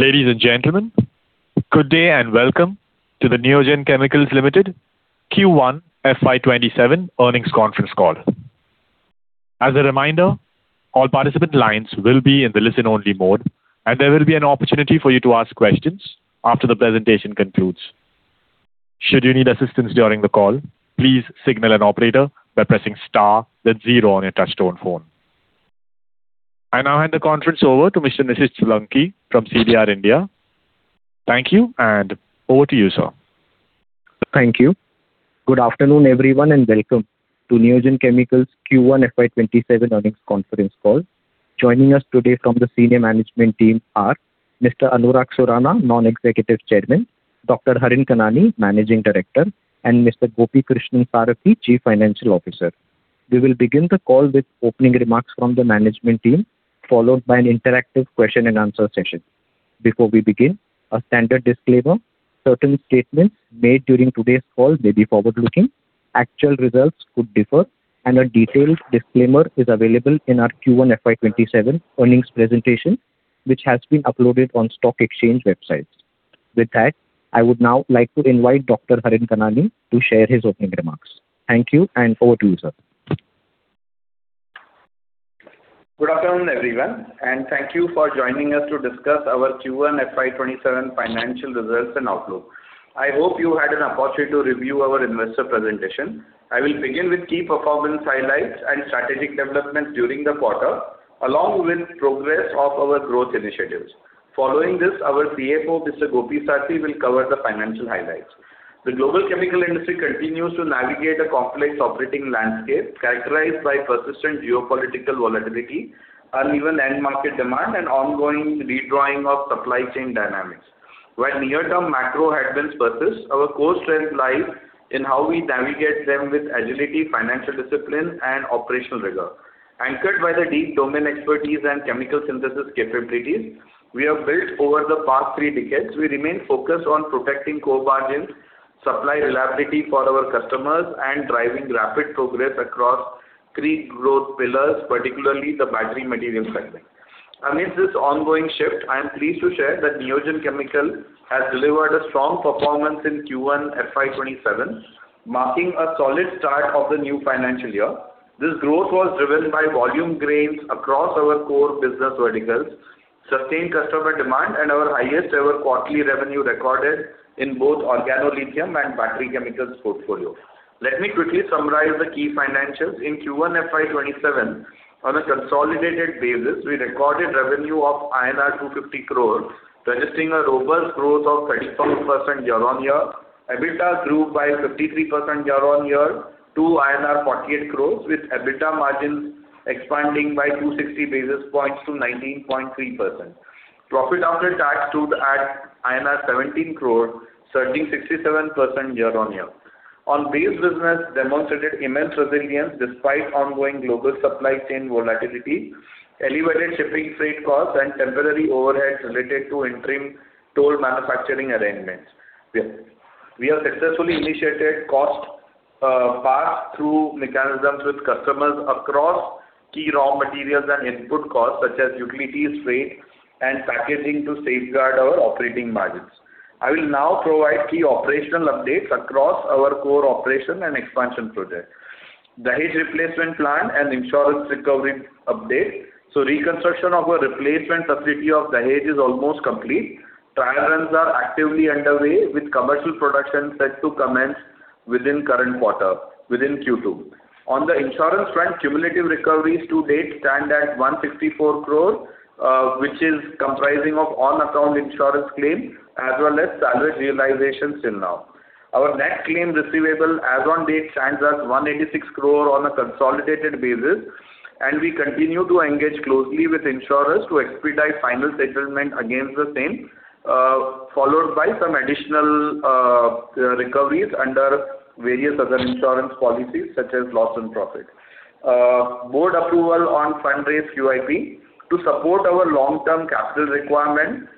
Ladies and gentlemen, good day and welcome to the Neogen Chemicals Limited Q1 FY 2027 earnings conference call. As a reminder, all participant lines will be in the listen only mode and there will be an opportunity for you to ask questions after the presentation concludes. Should you need assistance during the call, please signal an operator by pressing star then zero on your touchtone phone. I now hand the conference over to Mr. Nishid Solanki from CDR India. Thank you and over to you, sir. Thank you. Good afternoon, everyone, welcome to Neogen Chemicals Q1 FY 2027 earnings conference call. Joining us today from the senior management team are Mr. Anurag Surana, Non-Executive Chairman, Dr. Harin Kanani, Managing Director, and Mr. Gopikrishnan Sarathy, Chief Financial Officer. We will begin the call with opening remarks from the management team, followed by an interactive question and answer session. Before we begin, a standard disclaimer; certain statements made during today's call may be forward-looking, actual results could differ, and a detailed disclaimer is available in our Q1 FY 2027 earnings presentation, which has been uploaded on stock exchange websites. I would now like to invite Dr. Harin Kanani to share his opening remarks. Thank you, and over to you, sir. Good afternoon, everyone, and thank you for joining us to discuss our Q1 FY 2027 financial results and outlook. I hope you had an opportunity to review our investor presentation. I will begin with key performance highlights and strategic developments during the quarter, along with progress of our growth initiatives. Following this, our CFO, Mr. Gopi Sarathy, will cover the financial highlights. The global chemical industry continues to navigate a complex operating landscape characterized by persistent geopolitical volatility, uneven end market demand, and ongoing redrawing of supply chain dynamics. While near-term macro headwinds persist, our core strength lies in how we navigate them with agility, financial discipline, and operational rigor. Anchored by the deep domain expertise and chemical synthesis capabilities we have built over the past three decades, we remain focused on protecting core margins, supply reliability for our customers, and driving rapid progress across three growth pillars, particularly the battery material segment. Amidst this ongoing shift, I am pleased to share that Neogen Chemicals has delivered a strong performance in Q1 FY 2027, marking a solid start of the new financial year. This growth was driven by volume gains across our core business verticals, sustained customer demand, and our highest-ever quarterly revenue recorded in both organolithium and battery chemicals portfolio. Let me quickly summarize the key financials. In Q1 FY 2027, on a consolidated basis, we recorded revenue of INR 250 crores, registering a robust growth of 34% year-on-year. EBITDA grew by 53% year-over-year to INR 48 crores, with EBITDA margin expanding by 260 basis points to 19.3%. Profit after tax stood at INR 17 crore, surging 67% year-over-year. Our base business demonstrated immense resilience despite ongoing global supply chain volatility, elevated shipping freight costs, and temporary overheads related to interim toll manufacturing arrangements. We have successfully initiated cost pass-through mechanisms with customers across key raw materials and input costs such as utilities, freight, and packaging to safeguard our operating margins. I will now provide key operational updates across our core operation and expansion projects. Dahej replacement plant and insurance recovery update. Reconstruction of a replacement facility of Dahej is almost complete. Trial runs are actively underway, with commercial production set to commence within current quarter, within Q2. On the insurance front, cumulative recoveries to date stand at 164 crores, which is comprising of on-account insurance claims as well as salvage realizations till now. Our net claim receivable as on date stands at 186 crore on a consolidated basis, and we continue to engage closely with insurers to expedite final settlement against the same, followed by some additional recoveries under various other insurance policies such as loss and profit. Board approval on fund raise QIP to support our long-term capital requirement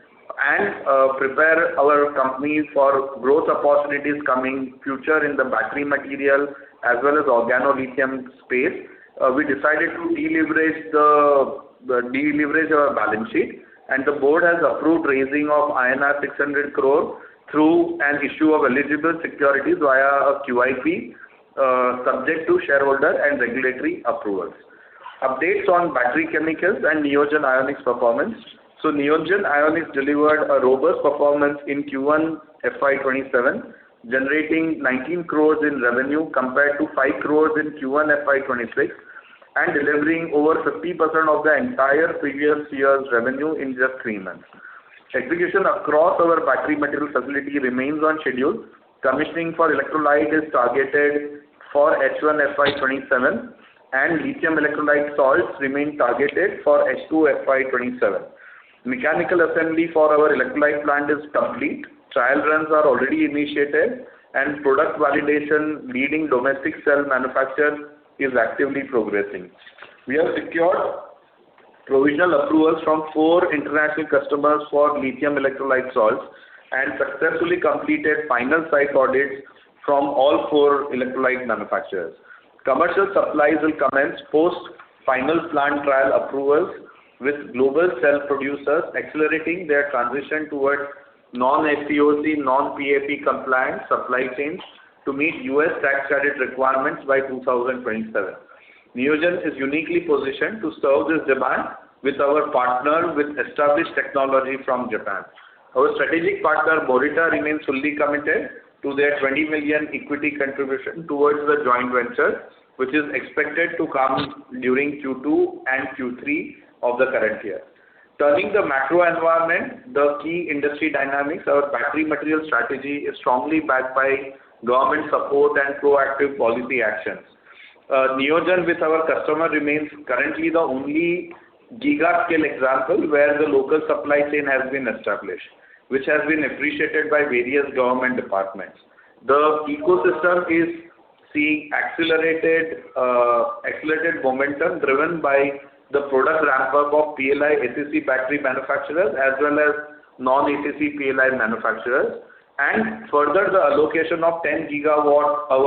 and prepare our company for growth opportunities coming future in the battery material as well as organolithium space. We decided to deleverage our balance sheet, and the board has approved raising of INR 600 crore through an issue of eligible securities via a QIP, subject to shareholder and regulatory approvals. Updates on battery chemicals and Neogen Ionics performance. Neogen Ionics delivered a robust performance in Q1 FY 2027, generating 19 crore in revenue compared to 5 crore in Q1 FY 2026, and delivering over 50% of the entire previous year's revenue in just three months. Execution across our battery material facility remains on schedule. Commissioning for electrolyte is targeted for H1 FY 2027, and lithium electrolyte salts remain targeted for H2 FY 2027. Mechanical assembly for our electrolyte plant is complete. Trial runs are already initiated, and product validation leading domestic cell manufacturers is actively progressing. We have secured provisional approvals from four international customers for lithium electrolyte salts and successfully completed final site audits from all four electrolyte manufacturers. Commercial supplies will commence post final plant trial approvals with global cell producers accelerating their transition towards non-FEOC, non-PAP compliant supply chains to meet U.S. tax credit requirements by 2027. Neogen is uniquely positioned to serve this demand with our partner with established technology from Japan. Our strategic partner, Morita, remains fully committed to their $20 million equity contribution towards the joint venture, which is expected to come during Q2 and Q3 of the current year. Turning to the macro environment, the key industry dynamics, our battery material strategy is strongly backed by Government support and proactive policy actions. Neogen, with our customer, remains currently the only gigascale example where the local supply chain has been established, which has been appreciated by various Government departments. The ecosystem is seeing accelerated momentum driven by the product ramp-up of ACC PLI battery manufacturers, as well as non-ACC PLI manufacturers, and further, the allocation of 10 GWh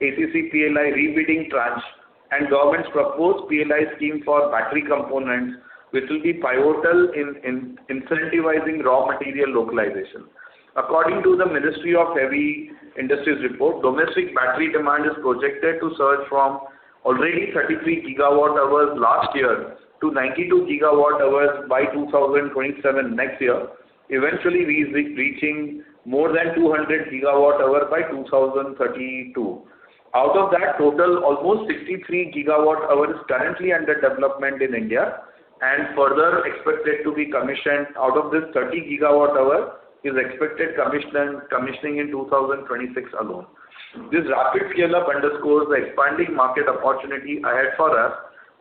ACC PLI re-bidding tranche and Government's proposed PLI scheme for battery components, which will be pivotal in incentivizing raw material localization. According to the Ministry of Heavy Industries report, domestic battery demand is projected to surge from already 33 GWh last year to 92 GWh by 2027. Eventually, we will be reaching more than 200 GWh by 2032. Out of that total, almost 63 GWh currently under development in India and further expected to be commissioned. Out of this, 30 GWh is expected commissioning in 2026 alone. This rapid scale-up underscores the expanding market opportunity ahead for us.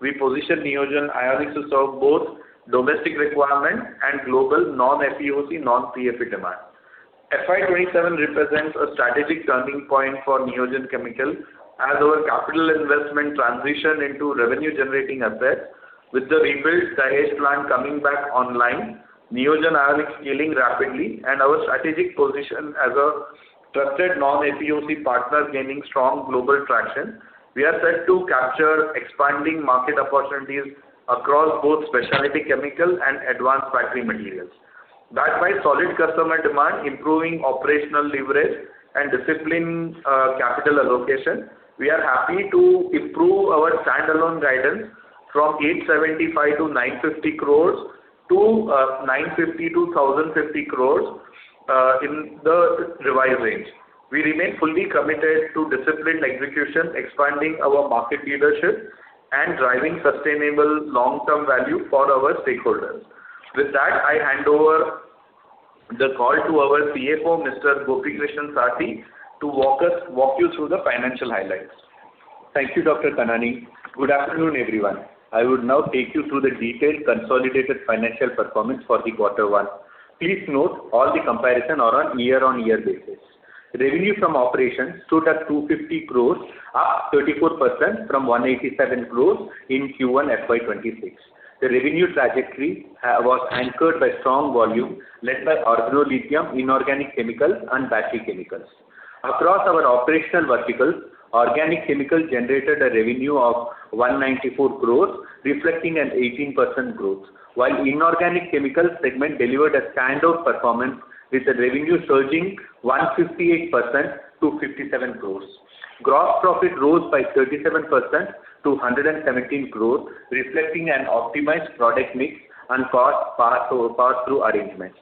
We position Neogen Ionics to serve both domestic requirements and global non-FEOC, non-PAP demand. FY 2027 represents a strategic turning point for Neogen Chemicals as our CapEx transition into revenue generating assets. With the rebuilt Dahej Plant coming back online, Neogen Ionics scaling rapidly and our strategic position as a trusted non-FEOC partner gaining strong global traction. We are set to capture expanding market opportunities across both specialty chemical and advanced battery materials. Backed by solid customer demand, improving operational leverage and disciplined capital allocation, we are happy to improve our standalone guidance from 875-950 crore to 950-1,050 crore in the revised range. We remain fully committed to disciplined execution, expanding our market leadership, and driving sustainable long-term value for our stakeholders. With that, I hand over the call to our CFO, Mr. Gopikrishnan Sarathy, to walk you through the financial highlights. Thank you, Dr. Kanani. Good afternoon, everyone. I will now take you through the detailed consolidated financial performance for Q1. Please note all the comparison are on year-on-year basis. Revenue from operations stood at 250 crore, up 34% from 187 crore in Q1 FY 2026. The revenue trajectory was anchored by strong volume led by organolithium, inorganic chemicals, and battery chemicals. Across our operational verticals, organic chemicals generated a revenue of 194 crore, reflecting an 18% growth. While inorganic chemical segment delivered a standout performance with the revenue surging 158% to 57 crore. Gross Profit rose by 37% to 117 crore, reflecting an optimized product mix and cost pass-through arrangements.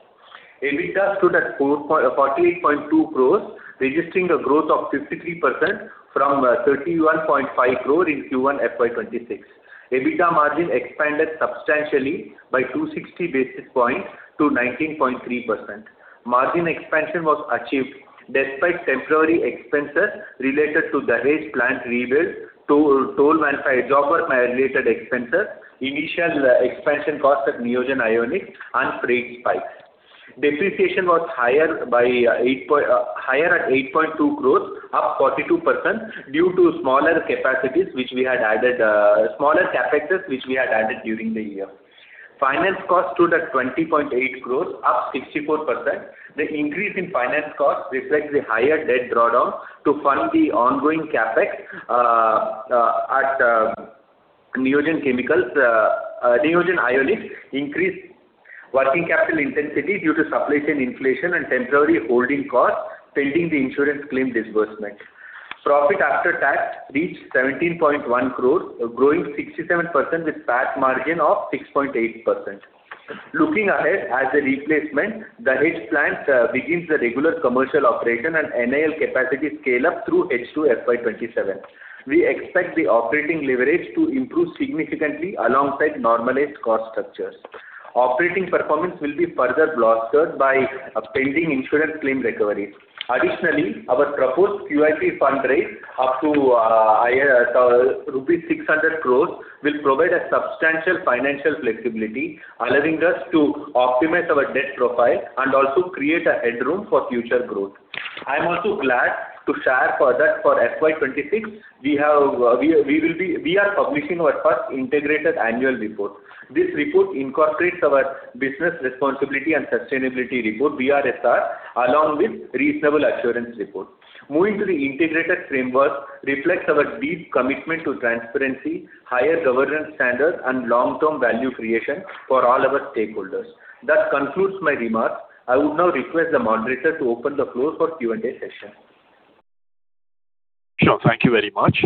EBITDA stood at 48.2 crore, registering a growth of 53% from 31.5 crore in Q1 FY 2026. EBITDA margin expanded substantially by 260 basis points to 19.3%. Margin expansion was achieved despite temporary expenses related to Dahej Plant rebuild, job work related expenses, initial expansion cost at Neogen Ionics, and freight spikes. Depreciation was higher at 8.2 crore, up 42%, due to smaller CapExes which we had added during the year. Finance cost stood at 20.8 crore, up 64%. The increase in finance cost reflects the higher debt drawdown to fund the ongoing CapEx at Neogen Ionics, increased working capital intensity due to supply chain inflation and temporary holding costs, pending the insurance claim disbursement. Profit After Tax reached 17.1 crore, growing 67% with PAT margin of 6.8%. Looking ahead, as a replacement, Dahej plant begins the regular commercial operation and NIL capacity scale-up through H2 FY 2027. We expect the operating leverage to improve significantly alongside normalized cost structures. Operating performance will be further bolstered by pending insurance claim recovery. Additionally, our proposed QIP fundraise up to rupees 600 crore will provide a substantial financial flexibility, allowing us to optimize our debt profile and also create a headroom for future growth. I'm also glad to share further for FY 2026, we are publishing our first integrated annual report This report incorporates our business responsibility and sustainability report, BRSR, along with reasonable assurance report. Moving to the integrated framework reflects our deep commitment to transparency, higher governance standards, and long-term value creation for all our stakeholders. That concludes my remarks. I would now request the moderator to open the floor for Q&A session. Sure. Thank you very much.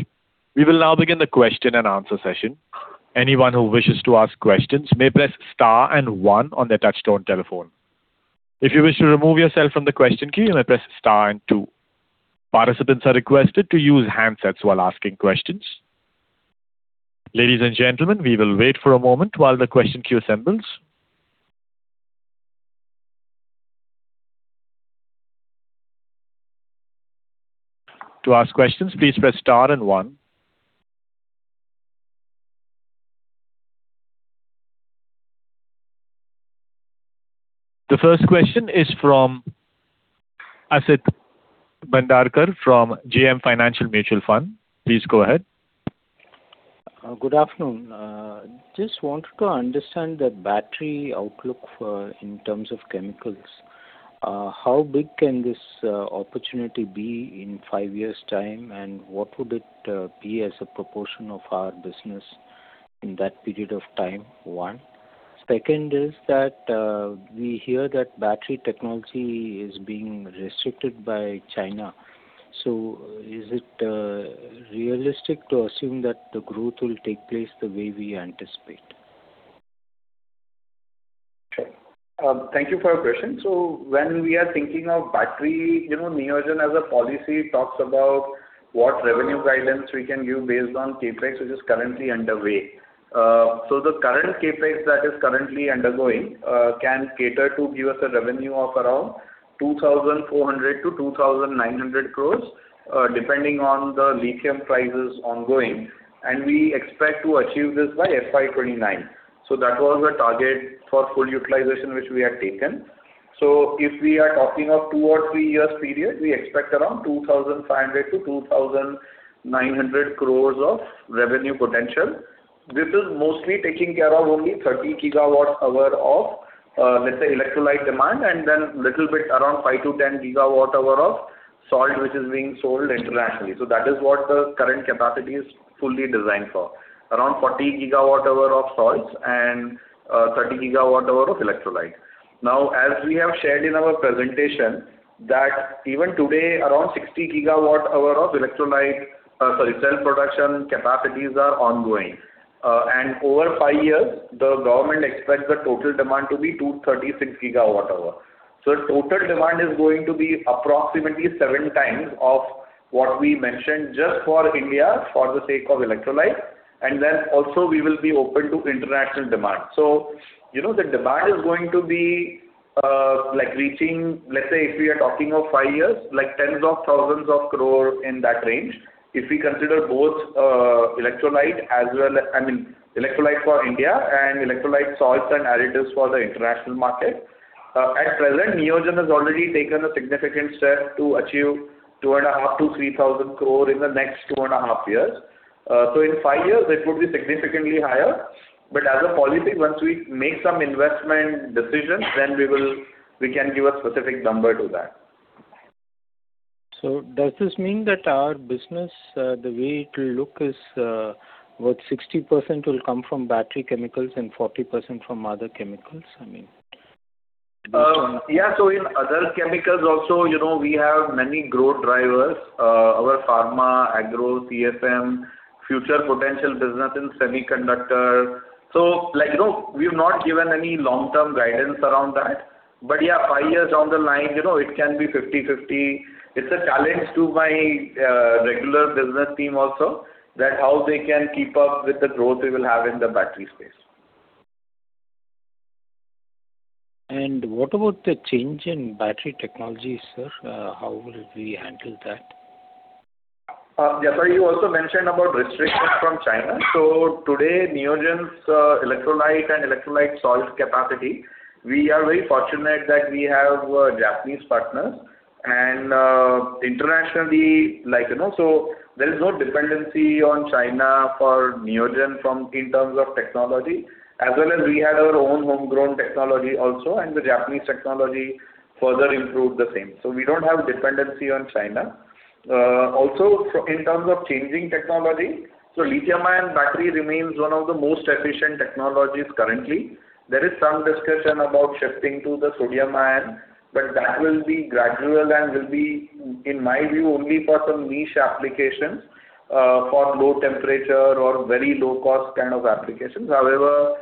We will now begin the question and answer session. Anyone who wishes to ask questions may press star and one on their touch-tone telephone. If you wish to remove yourself from the question queue, you may press star and two. Participants are requested to use handsets while asking questions. Ladies and gentlemen, we will wait for a moment while the question queue assembles. To ask questions, please press star and one. The first question is from Asit Bhandarkar from JM Financial Mutual Fund. Please go ahead. Good afternoon. Just wanted to understand the battery outlook in terms of chemicals. How big can this opportunity be in five years' time, and what would it be as a proportion of our business in that period of time? One. Second is that we hear that battery technology is being restricted by China. Is it realistic to assume that the growth will take place the way we anticipate? Sure. Thank you for your question. When we are thinking of battery, Neogen as a policy talks about what revenue guidance we can give based on CapEx, which is currently underway. The current CapEx that is currently undergoing can cater to give us a revenue of around 2,400 crore-2,900 crore, depending on the lithium prices ongoing, and we expect to achieve this by FY 2029. That was the target for full utilization, which we had taken. If we are talking of two or three years period, we expect around 2,500 crore-2,900 crore of revenue potential. This is mostly taking care of only 30 GWh of, let's say, electrolyte demand and then a little bit, around 5-10 GWh of salt, which is being sold internationally. That is what the current capacity is fully designed for, around 40 GWh of salts and 30 GWh of electrolyte. As we have shared in our presentation, that even today, around 60 GWh of electrolyte, cell production capacities are ongoing. And over five years, the government expects the total demand to be 236 GWh. The total demand is going to be approximately seven times of what we mentioned, just for India, for the sake of electrolyte. Also, we will be open to international demand. The demand is going to be reaching, let's say, if we are talking of five years, tens of thousands of crore in that range. If we consider both electrolyte for India and electrolyte salts and additives for the international market. At present, Neogen has already taken a significant step to achieve 2,500 crore-3,000 crore in the next two and a half years. In five years, it would be significantly higher. As a policy, once we make some investment decisions, then we can give a specific number to that. Does this mean that our business, the way it will look is, about 60% will come from battery chemicals and 40% from other chemicals? In other chemicals also, we have many growth drivers, our pharma, agro, CSM, future potential business in semiconductors. We've not given any long-term guidance around that. Yeah, five years down the line, it can be 50/50. It's a challenge to my regular business team also, that how they can keep up with the growth they will have in the battery space. What about the change in battery technology, sir? How will we handle that? You also mentioned about restrictions from China. Today, Neogen's electrolyte and electrolyte salt capacity, we are very fortunate that we have Japanese partners. Internationally, there is no dependency on China for Neogen in terms of technology, as well as we have our own homegrown technology also, and the Japanese technology further improved the same. We don't have dependency on China. Also, in terms of changing technology, lithium-ion battery remains one of the most efficient technologies currently. There is some discussion about shifting to the sodium-ion, that will be gradual and will be, in my view, only for some niche applications, for low temperature or very low cost kind of applications. However,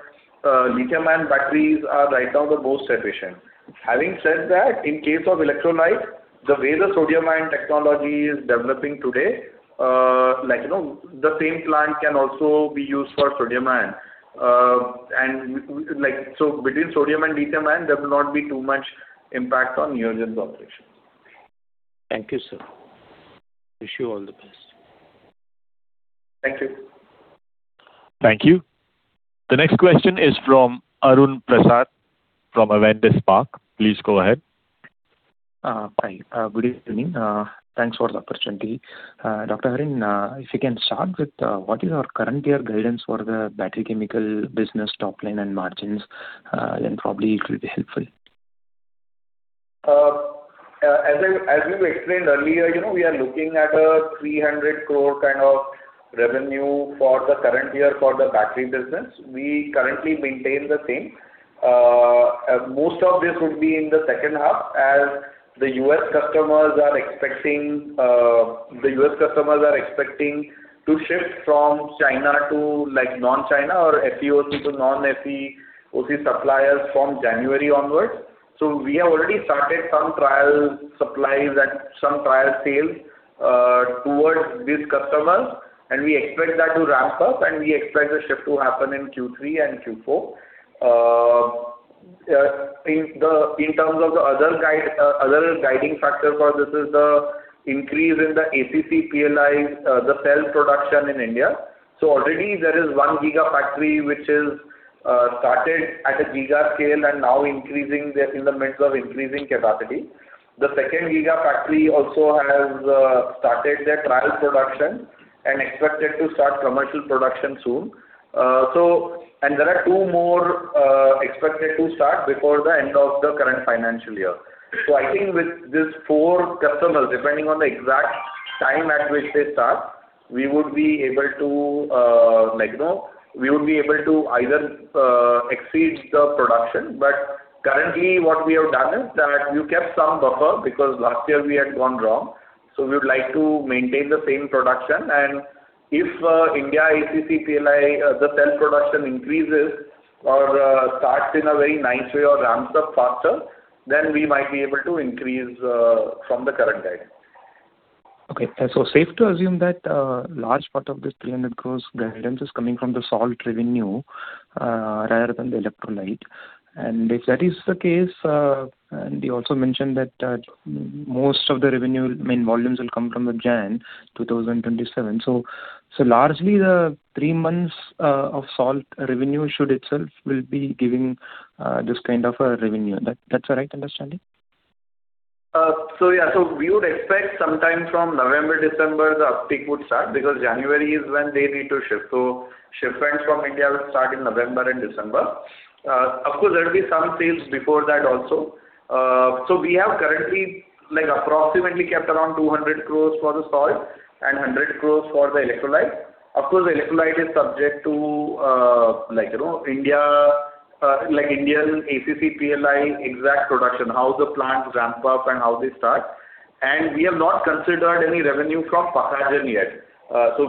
lithium-ion batteries are right now the most efficient. Having said that, in case of electrolyte, the way the sodium-ion technology is developing today, the same plant can also be used for sodium-ion. Between sodium and lithium-ion, there will not be too much impact on Neogen's operations. Thank you, sir. Wish you all the best. Thank you. Thank you. The next question is from Arun Prasath from Avendus Spark. Please go ahead. Hi, good evening. Thanks for the opportunity. Dr. Harin, if you can start with what is your current year guidance for the battery chemical business top line and margins, probably it will be helpful. As we explained earlier, we are looking at a 300 crore kind of revenue for the current year for the battery business. We currently maintain the same. Most of this would be in the second half as the U.S. customers are expecting to shift from China to non-China or FEOC to non-FEOC suppliers from January onwards. We have already started some trial supplies and some trial sales towards these customers, and we expect that to ramp up, and we expect the shift to happen in Q3 and Q4. In terms of the other guiding factor for this is the increase in the ACC PLI, the cell production in India. Already there is one gigafactory which is started at a giga scale and now they're in the midst of increasing capacity. The second gigafactory also has started their trial production and expected to start commercial production soon. There are two more expected to start before the end of the current financial year. I think with these four customers, depending on the exact time at which they start, we would be able to either exceed the production, but currently what we have done is that we've kept some buffer because last year we had gone wrong. We would like to maintain the same production, and if India ACC PLI, the cell production increases or starts in a very nice way or ramps up faster, then we might be able to increase from the current guidance. Okay. Safe to assume that a large part of this 300 crore guidance is coming from the salt revenue rather than the electrolyte. If that is the case, and you also mentioned that most of the revenue main volumes will come from January 2027. Largely, the three months of salt revenue should itself will be giving this kind of a revenue. That's a right understanding? We would expect sometime from November, December, the uptick would start because January is when they need to shift. Shipments from India will start in November and December. Of course, there'll be some sales before that also. We have currently approximately kept around 200 crore for the salt and 100 crore for the electrolyte. Of course, the electrolyte is subject to Indian ACC PLI exact production, how the plants ramp up and how they start. We have not considered any revenue from Pakhajan yet.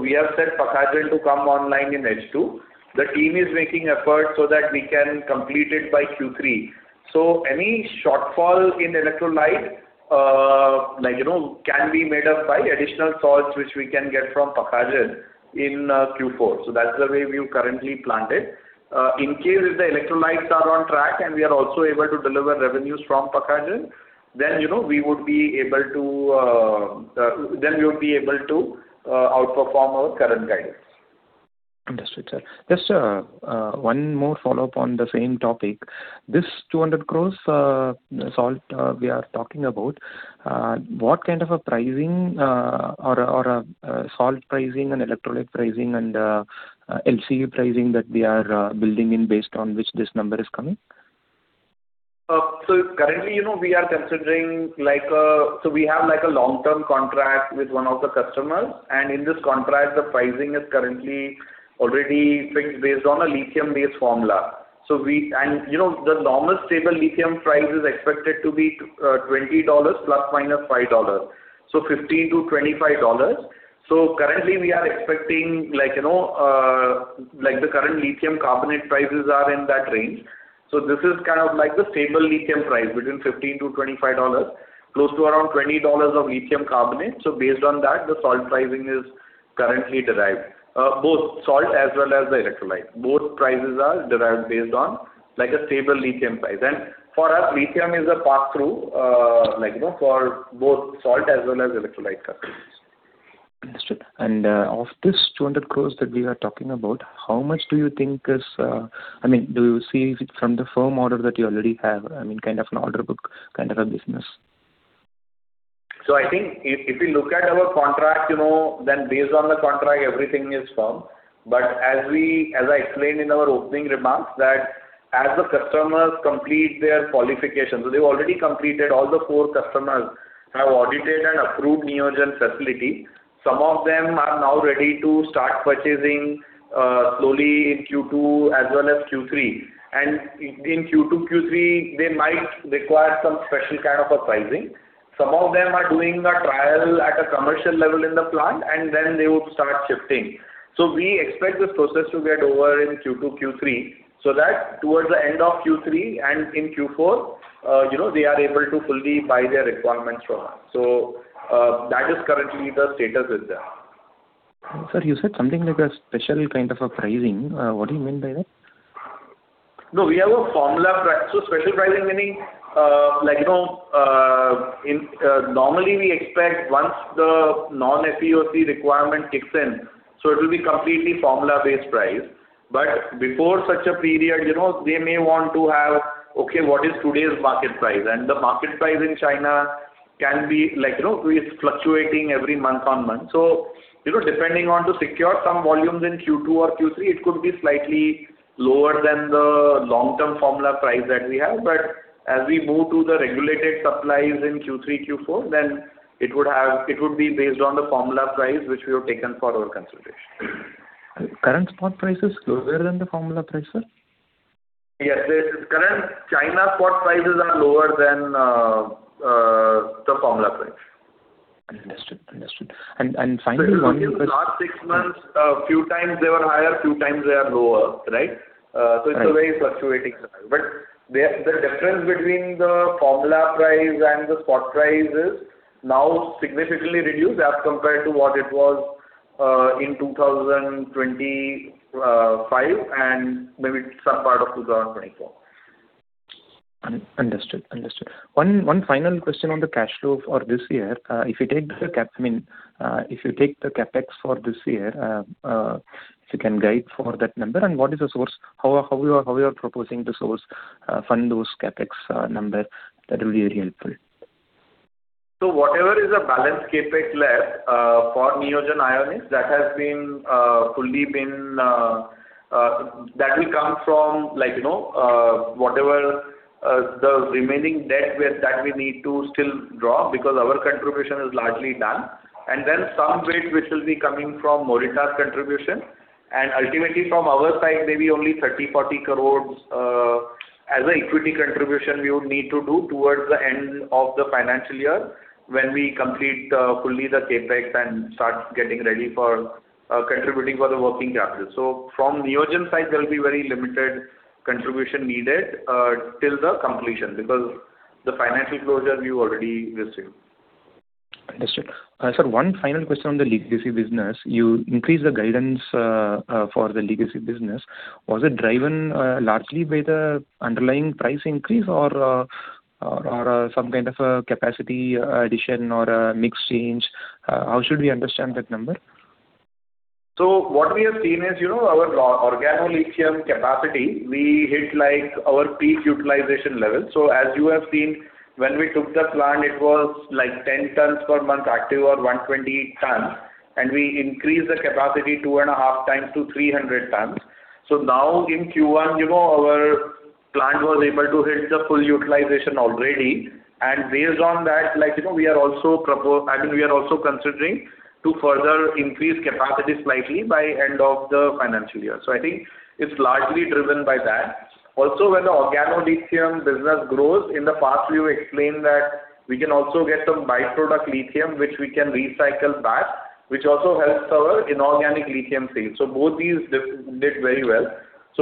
We have set Pakhajan to come online in H2. The team is making efforts so that we can complete it by Q3. Any shortfall in electrolyte can be made up by additional salts, which we can get from Pakhajan in Q4. That's the way we've currently planned it. In case if the electrolytes are on track and we are also able to deliver revenues from Pakhajan, then we would be able to outperform our current guidance. Understood, sir. Just one more follow-up on the same topic. This 200 crore salt we are talking about, what kind of a pricing or salt pricing and electrolyte pricing and LCE pricing that we are building in based on which this number is coming? Currently, we are considering like a we have a long-term contract with one of the customers, in this contract, the pricing is currently already fixed based on a lithium-based formula. The normal stable lithium price is expected to be $20 ± $5, so $15-$25. Currently, we are expecting like the current lithium carbonate prices are in that range. This is kind of like the stable lithium price between $15-$25, close to around $20 of lithium carbonate. Based on that, the salt pricing is currently derived, both salt as well as the electrolyte. Both prices are derived based on a stable lithium price. For us, lithium is a pass-through for both salt as well as electrolyte customers. Understood. Of this 200 crores that we are talking about, how much do you think is you see from the firm order that you already have, kind of an order book kind of a business? I think if we look at our contract, then based on the contract, everything is firm. As I explained in our opening remarks, that as the customers complete their qualification, so they've already completed, all the four customers have audited and approved Neogen's facility. Some of them are now ready to start purchasing slowly in Q2 as well as Q3. In Q2, Q3, they might require some special kind of a pricing. Some of them are doing a trial at a commercial level in the plant, and then they would start shifting. We expect this process to get over in Q2, Q3, so that towards the end of Q3 and in Q4, they are able to fully buy their requirements from us. That is currently the status with them. Sir, you said something like a special kind of a pricing. What do you mean by that? No, we have a formula. Special pricing, meaning, normally we expect once the non-FEOC requirement kicks in, so it will be completely formula-based price. Before such a period, they may want to have, okay, what is today's market price? The market price in China can be fluctuating every month on month. Depending on to secure some volumes in Q2 or Q3, it could be slightly lower than the long-term formula price that we have. As we move to the regulated supplies in Q3, Q4, then it would be based on the formula price, which we have taken for our consideration. Current spot price is lower than the formula price, sir? Yes. Current China spot prices are lower than the formula price. Understood. Finally. If you see last six months, a few times they were higher, few times they are lower, right? Right. It's a very fluctuating price. The difference between the formula price and the spot price is now significantly reduced as compared to what it was in 2025 and maybe some part of 2024. Understood. One final question on the cash flow for this year. If you take the CapEx for this year, if you can guide for that number and what is the source, how you are proposing to fund those CapEx number, that will be very helpful. Whatever is the balance CapEx left for Neogen Ionics, that will come from whatever the remaining debt that we need to still draw, because our contribution is largely done. Some bit which will be coming from Morita's contribution. Ultimately from our side, maybe only 30 crore-40 crore as an equity contribution we would need to do towards the end of the financial year when we complete fully the CapEx and start getting ready for contributing for the working capital. From Neogen's side, there will be very limited contribution needed till the completion, because the financial closure we already received. Understood. Sir, one final question on the legacy business. You increased the guidance for the legacy business. Was it driven largely by the underlying price increase or some kind of a capacity addition or a mix change? How should we understand that number? What we have seen is our organolithium capacity, we hit our peak utilization level. As you have seen, when we took the plant, it was 10 tons per month active or 120 tons, and we increased the capacity two and a half times to 300 tons. Now in Q1, our plant was able to hit the full utilization already. Based on that, we are also considering to further increase capacity slightly by end of the financial year. I think it's largely driven by that. Also, when the organolithium business grows, in the past we explained that we can also get some by-product lithium, which we can recycle back, which also helps our inorganic lithium sales. Both these did very well.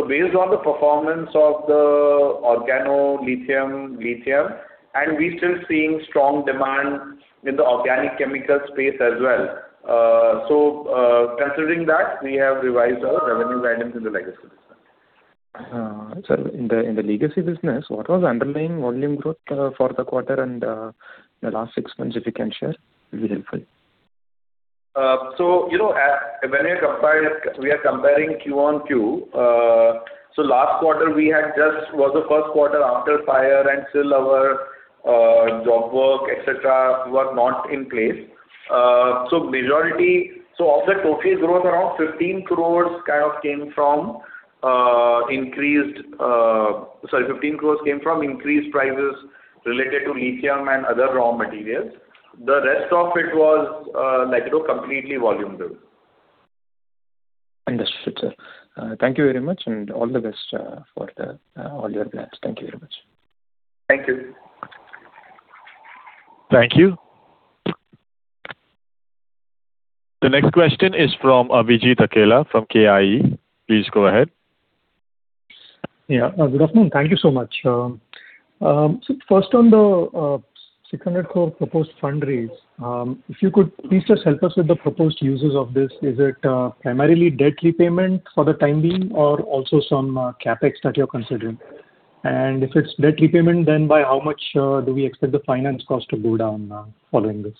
Based on the performance of the organolithium, and we're still seeing strong demand in the organic chemical space as well. Considering that, we have revised our revenue guidance in the legacy business. Sir, in the legacy business, what was underlying volume growth for the quarter and the last six months, if you can share, it'll be helpful. When we are comparing Q-on-Q, last quarter we had just was the first quarter after fire, and still our job work, et cetera, were not in place. Of the total growth, around 15 crore came from increased prices related to lithium and other raw materials. The rest of it was completely volume build. Understood, sir. Thank you very much and all the best for all your plans. Thank you very much. Thank you. Thank you. The next question is from Abhijit Akella from KIE. Please go ahead. Good afternoon. Thank you so much. First on the 600 crore proposed fund raise, if you could please just help us with the proposed uses of this. Is it primarily debt repayment for the time being or also some CapEx that you are considering? If it is debt repayment, then by how much do we expect the finance cost to go down following this?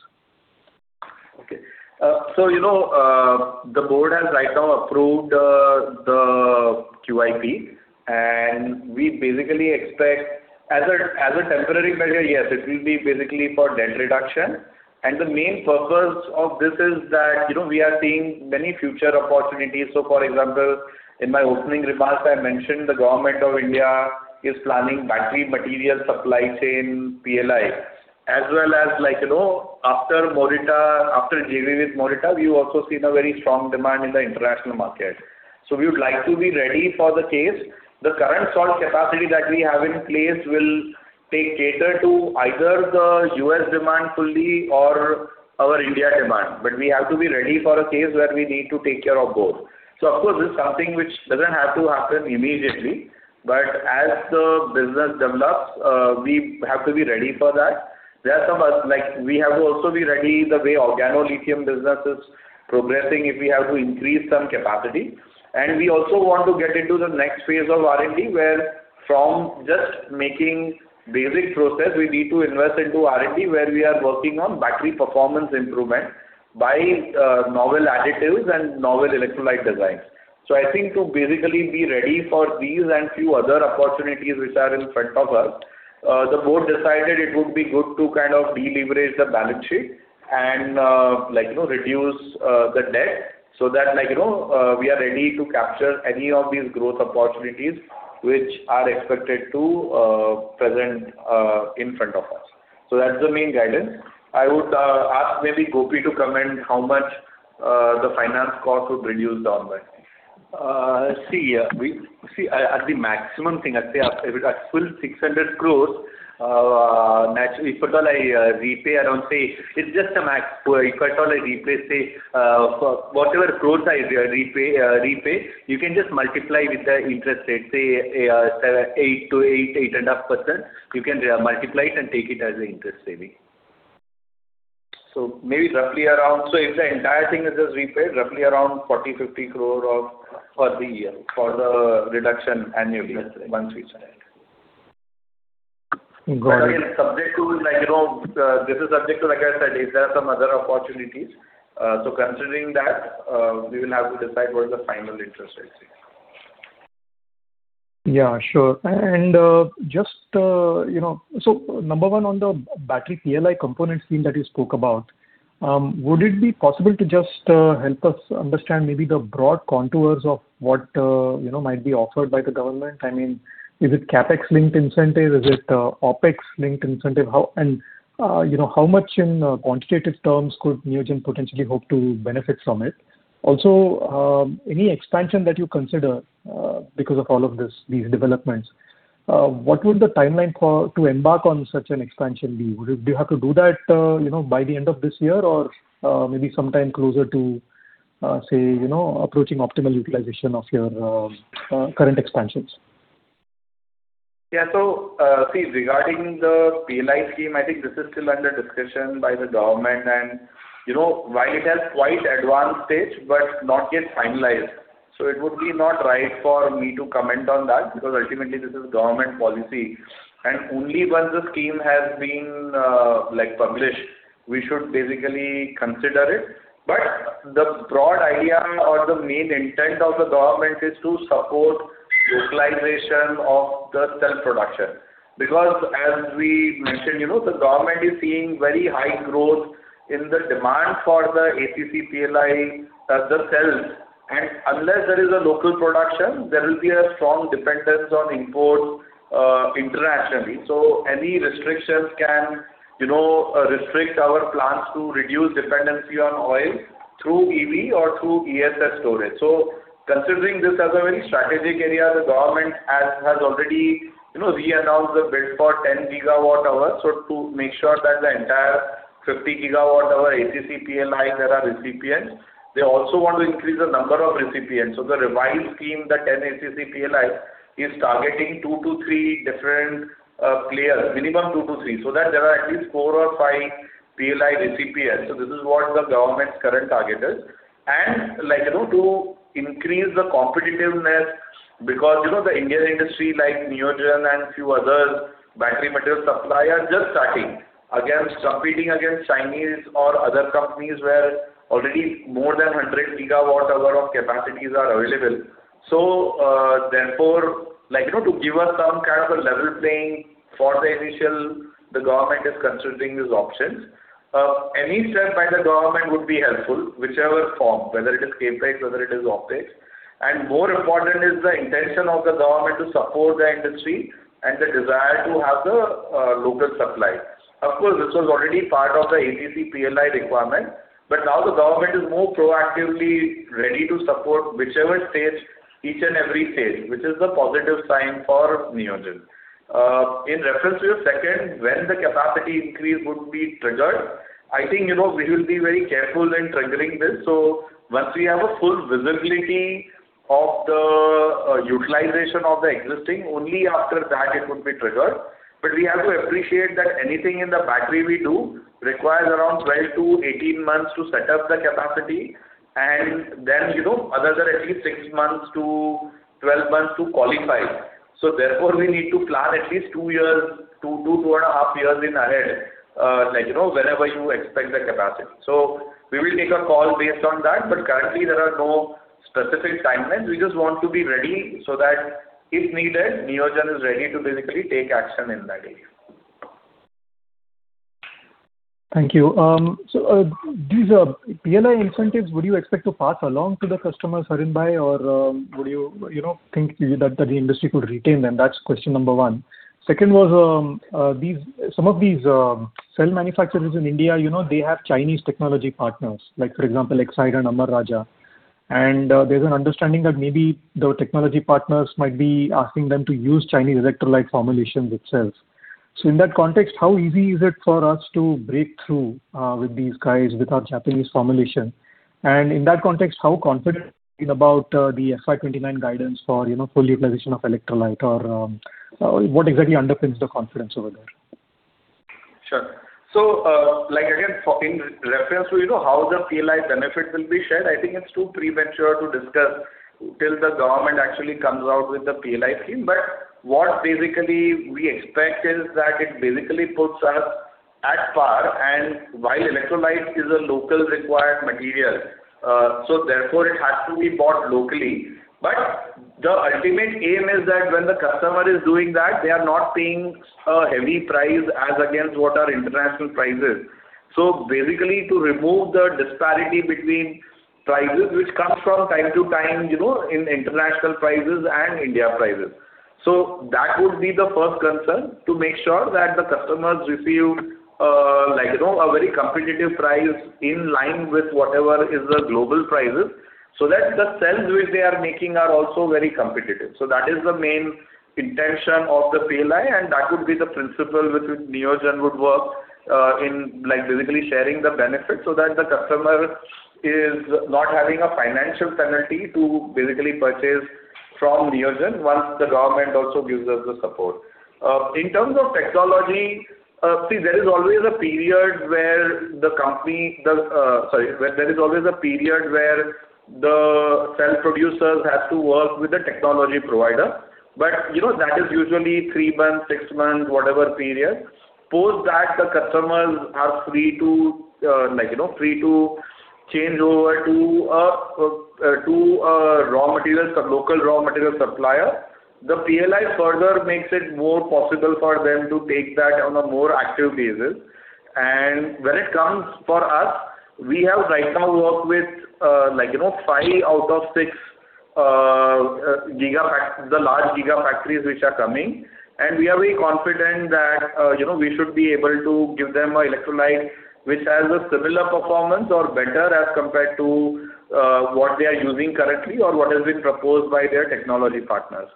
The board has right now approved the QIP, and we basically expect as a temporary measure, yes, it will be basically for debt reduction. The main purpose of this is that, we are seeing many future opportunities. For example, in my opening remarks, I mentioned the Government of India is planning battery material supply chain PLI, as well as after JV with Morita, we have also seen a very strong demand in the international market. We would like to be ready for the case. The current sort capacity that we have in place will cater to either the U.S. demand fully or our India demand. We have to be ready for a case where we need to take care of both. Of course, this is something which does not have to happen immediately, but as the business develops, we have to be ready for that. We have to also be ready the way organolithium business is progressing, if we have to increase some capacity. We also want to get into the next phase of R&D, where from just making basic process, we need to invest into R&D where we are working on battery performance improvement by novel additives and novel electrolyte designs. I think to basically be ready for these and few other opportunities which are in front of us, the board decided it would be good to kind of deleverage the balance sheet and reduce the debt so that we are ready to capture any of these growth opportunities which are expected to present in front of us. That's the main guidance. I would ask maybe Gopi to comment how much the finance cost would reduce onwards. At the maximum thing, I'd say at full 600 crore, if at all I repay around. It's just a max. If at all I repay, whatever crores I repay, you can just multiply with the interest rate, 8%-8.5%. You can multiply it and take it as the interest saving. So maybe roughly around- If the entire thing is just repaid, roughly around 40 crore-50 crore for the year, for the reduction annually. That's right. Once we start. Got it. Again, this is subject to, like I said, if there are some other opportunities. Considering that, we will have to decide what is the final interest rate, see. Yeah, sure. Number one, on the battery PLI component scheme that you spoke about, would it be possible to just help us understand maybe the broad contours of what might be offered by the Government? I mean, is it CapEx linked incentive? Is it OpEx linked incentive? How much in quantitative terms could Neogen potentially hope to benefit from it? Any expansion that you consider, because of all of these developments, what would the timeline to embark on such an expansion be? Do you have to do that by the end of this year or maybe sometime closer to, say, approaching optimal utilization of your current expansions? Regarding the PLI scheme, I think this is still under discussion by the Government and while it has quite advanced stage, but not yet finalized. It would be not right for me to comment on that, because ultimately this is Government policy and only once the scheme has been published, we should basically consider it. The broad idea or the main intent of the Government is to support localization of the cell production. As we mentioned, the Government is seeing very high growth in the demand for the ACC PLI, the cells. Unless there is a local production, there will be a strong dependence on imports internationally. Any restrictions can restrict our plans to reduce dependency on oil through EV or through ESS storage. Considering this as a very strategic area, the Government has already re-announced the bid for 10 GWh. To make sure that the entire 50 GWh ACC PLI there are recipients, they also want to increase the number of recipients. The revised scheme, the 10 ACC PLIs, is targeting two to three different players, minimum two to three, so that there are at least four or five PLI recipients. This is what the Government's current target is. To increase the competitiveness, because the Indian industry like Neogen and few others, battery material supply are just starting, competing against Chinese or other companies where already more than 100 GWh of capacities are available. Therefore, to give us some kind of a level playing for the initial, the Government is considering these options. Any step by the Government would be helpful, whichever form, whether it is CapEx, whether it is OpEx. More important is the intention of the Government to support the industry and the desire to have the local supply. Of course, this was already part of the ACC PLI requirement, but now the Government is more proactively ready to support whichever stage, each and every stage, which is a positive sign for Neogen. In reference to your second, when the capacity increase would be triggered, I think we will be very careful in triggering this. Once we have a full visibility of the utilization of the existing, only after that it would be triggered. We have to appreciate that anything in the battery we do requires around 12-18 months to set up the capacity, and then another at least 6-12 months to qualify. Therefore, we need to plan at least two years to two and a half years in ahead, whenever you expand the capacity. We will take a call based on that, currently there are no specific timelines. We just want to be ready so that if needed, Neogen is ready to basically take action in that area. Thank you. These PLI incentives, would you expect to pass along to the customers, Harin Brother? Would you think maybe that the industry could retain them? That is question number one. Second was, some of these cell manufacturers in India, they have Chinese technology partners, like for example, Exide and Amara Raja. There is an understanding that maybe the technology partners might be asking them to use Chinese electrolyte formulations itself. In that context, how easy is it for us to break through with these guys with our Japanese formulation? In that context, how confident about the FY 2029 guidance for full utilization of electrolyte, or what exactly underpins the confidence over there? Sure. Again, in reference to how the PLI benefit will be shared, I think it is too premature to discuss till the government actually comes out with the PLI scheme. What basically we expect is that it basically puts us at par, while electrolyte is a local required material, therefore it has to be bought locally. The ultimate aim is that when the customer is doing that, they are not paying a heavy price as against what are international prices. Basically, to remove the disparity between prices, which comes from time to time in international prices and India prices. That would be the first concern, to make sure that the customers receive a very competitive price in line with whatever is the global prices, so that the sales which they are making are also very competitive. That is the main intention of the PLI, that would be the principle with which Neogen would work in basically sharing the benefit so that the customer is not having a financial penalty to basically purchase from Neogen once the government also gives us the support. In terms of technology, there is always a period where the cell producers have to work with the technology provider. That is usually three months, six months, whatever period. Post that, the customers are free to change over to a local raw material supplier. The PLI further makes it more possible for them to take that on a more active basis. When it comes for us, we have right now worked with five out of six of the large gigafactories which are coming. We are very confident that we should be able to give them an electrolyte, which has a similar performance or better as compared to what they are using currently or what has been proposed by their technology partners.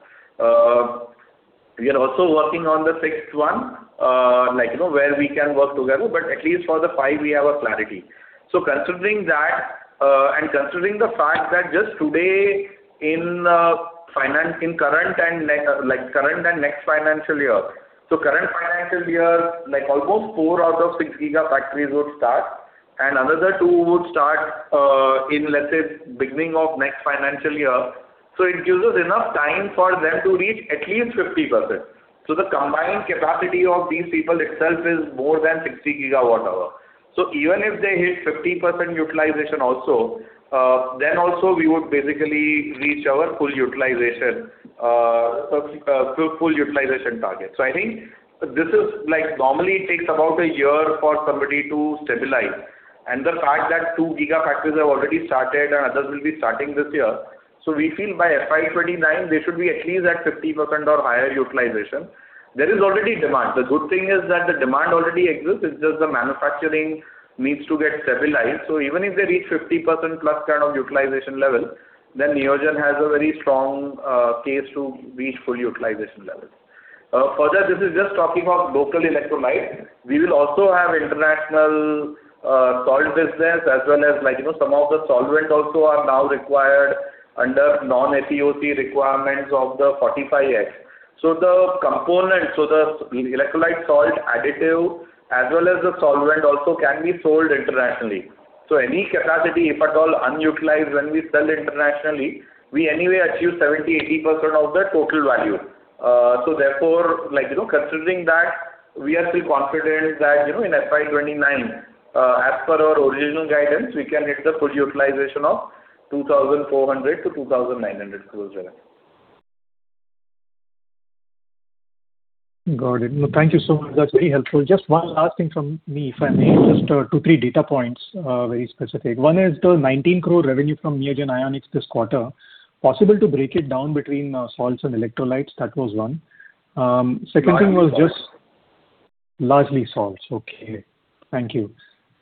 We are also working on the sixth one, where we can work together, but at least for the five, we have a clarity. Considering that, and considering the fact that just today in current and next financial year. Current financial year, almost four out of six gigafactories would start, and another two would start in, let's say, beginning of next financial year. It gives us enough time for them to reach at least 50%. The combined capacity of these people itself is more than 60 GWh. Even if they hit 50% utilization also, then also we would basically reach our full utilization target. I think, normally it takes about a year for somebody to stabilize. The fact that two gigafactories have already started and others will be starting this year. We feel by FY 2029, they should be at least at 50% or higher utilization. There is already demand. The good thing is that the demand already exists, it is just the manufacturing needs to get stabilized. Even if they reach 50%+ kind of utilization level, then Neogen has a very strong case to reach full utilization levels. Further, this is just talking of local electrolyte. We will also have international salt business as well as some of the solvents also are now required under non-FEOC requirements of the 45X. The electrolyte salt additive as well as the solvent also can be sold internationally. Any capacity, if at all unutilized when we sell internationally, we anyway achieve 70%-80% of the total value. Therefore, considering that, we are still confident that in FY 2029, as per our original guidance, we can hit the full utilization of 2,400 crore-2,900 crore revenue. Got it. Thank you so much. That is very helpful. Just one last thing from me, if I may, just two, three data points, very specific. One is the 19 crore revenue from Neogen Ionics this quarter, possible to break it down between salts and electrolytes? That was one. Largely salts. Largely salts. Okay. Thank you.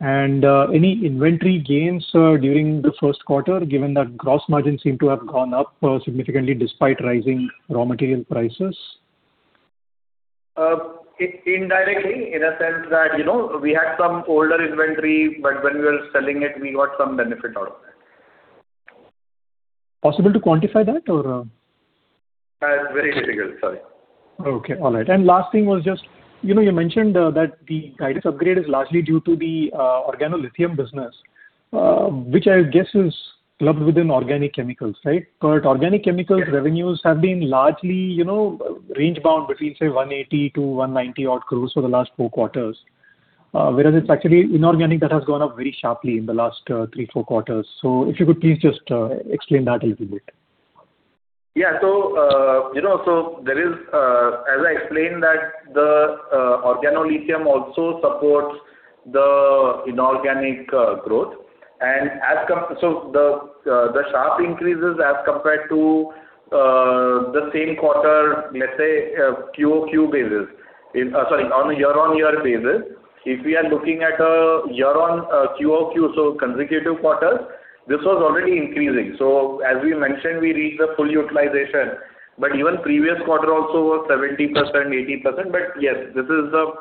Any inventory gains during the first quarter, given that gross margins seem to have gone up significantly despite rising raw material prices? Indirectly, in a sense that we had some older inventory, but when we were selling it, we got some benefit out of that. Possible to quantify that or? Very difficult, sorry. Okay. All right. Last thing was just, you mentioned that the guidance upgrade is largely due to the organolithium business, which I guess is clubbed within organic chemicals, right? Organic chemicals revenues have been largely range-bound between, say 180-190 odd crores for the last four quarters. Whereas it is actually inorganic that has gone up very sharply in the last three, four quarters. If you could please just explain that a little bit. Yeah. As I explained that the organolithium also supports the inorganic growth. The sharp increases as compared to the same quarter, let us say, on a year-on-year basis. If we are looking at a year on QoQ, consecutive quarters, this was already increasing. As we mentioned, we reached the full utilization. But even previous quarter also was 70%-80%. Yes, this is the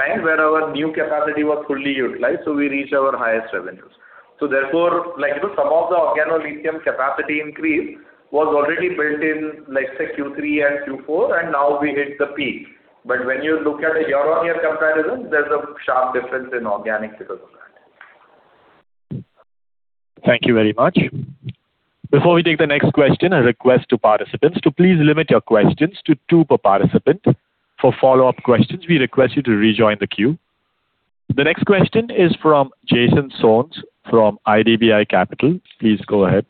time where our new capacity was fully utilized, we reached our highest revenues. Therefore, some of the organolithium capacity increase was already built in, let us say Q3 and Q4, and now we hit the peak. When you look at a year-on-year comparison, there is a sharp difference in organic because of that. Thank you very much. Before we take the next question, a request to participants to please limit your questions to two per participant. For follow-up questions, we request you to rejoin the queue. The next question is from Jason Soans from IDBI Capital. Please go ahead.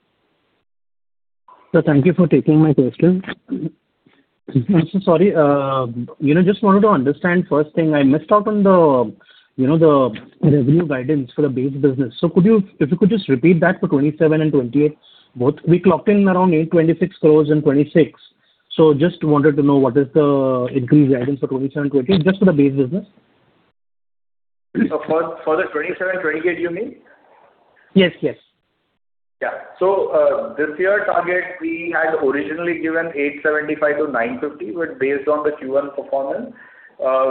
Sir, thank you for taking my question. I'm so sorry. Just wanted to understand, first thing, I missed out on the revenue guidance for the base business. If you could just repeat that for 2027 and 2028, both. We clocked in around 826 crore in 2026. Just wanted to know what is the increase guidance for 2027 and 2028 just for the base business. For the 2027 and 2028, you mean? Yes. Yeah. This year, target, we had originally given 875-950. Based on the Q1 performance,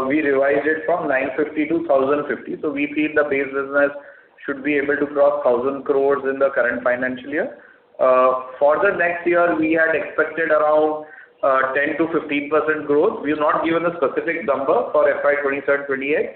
we revised it from 950-1,050 crore. We feel the base business should be able to cross 1,000 crore in the current financial year. For the next year, we had expected around 10%-15% growth. We've not given a specific number for FY 2027 and 2028,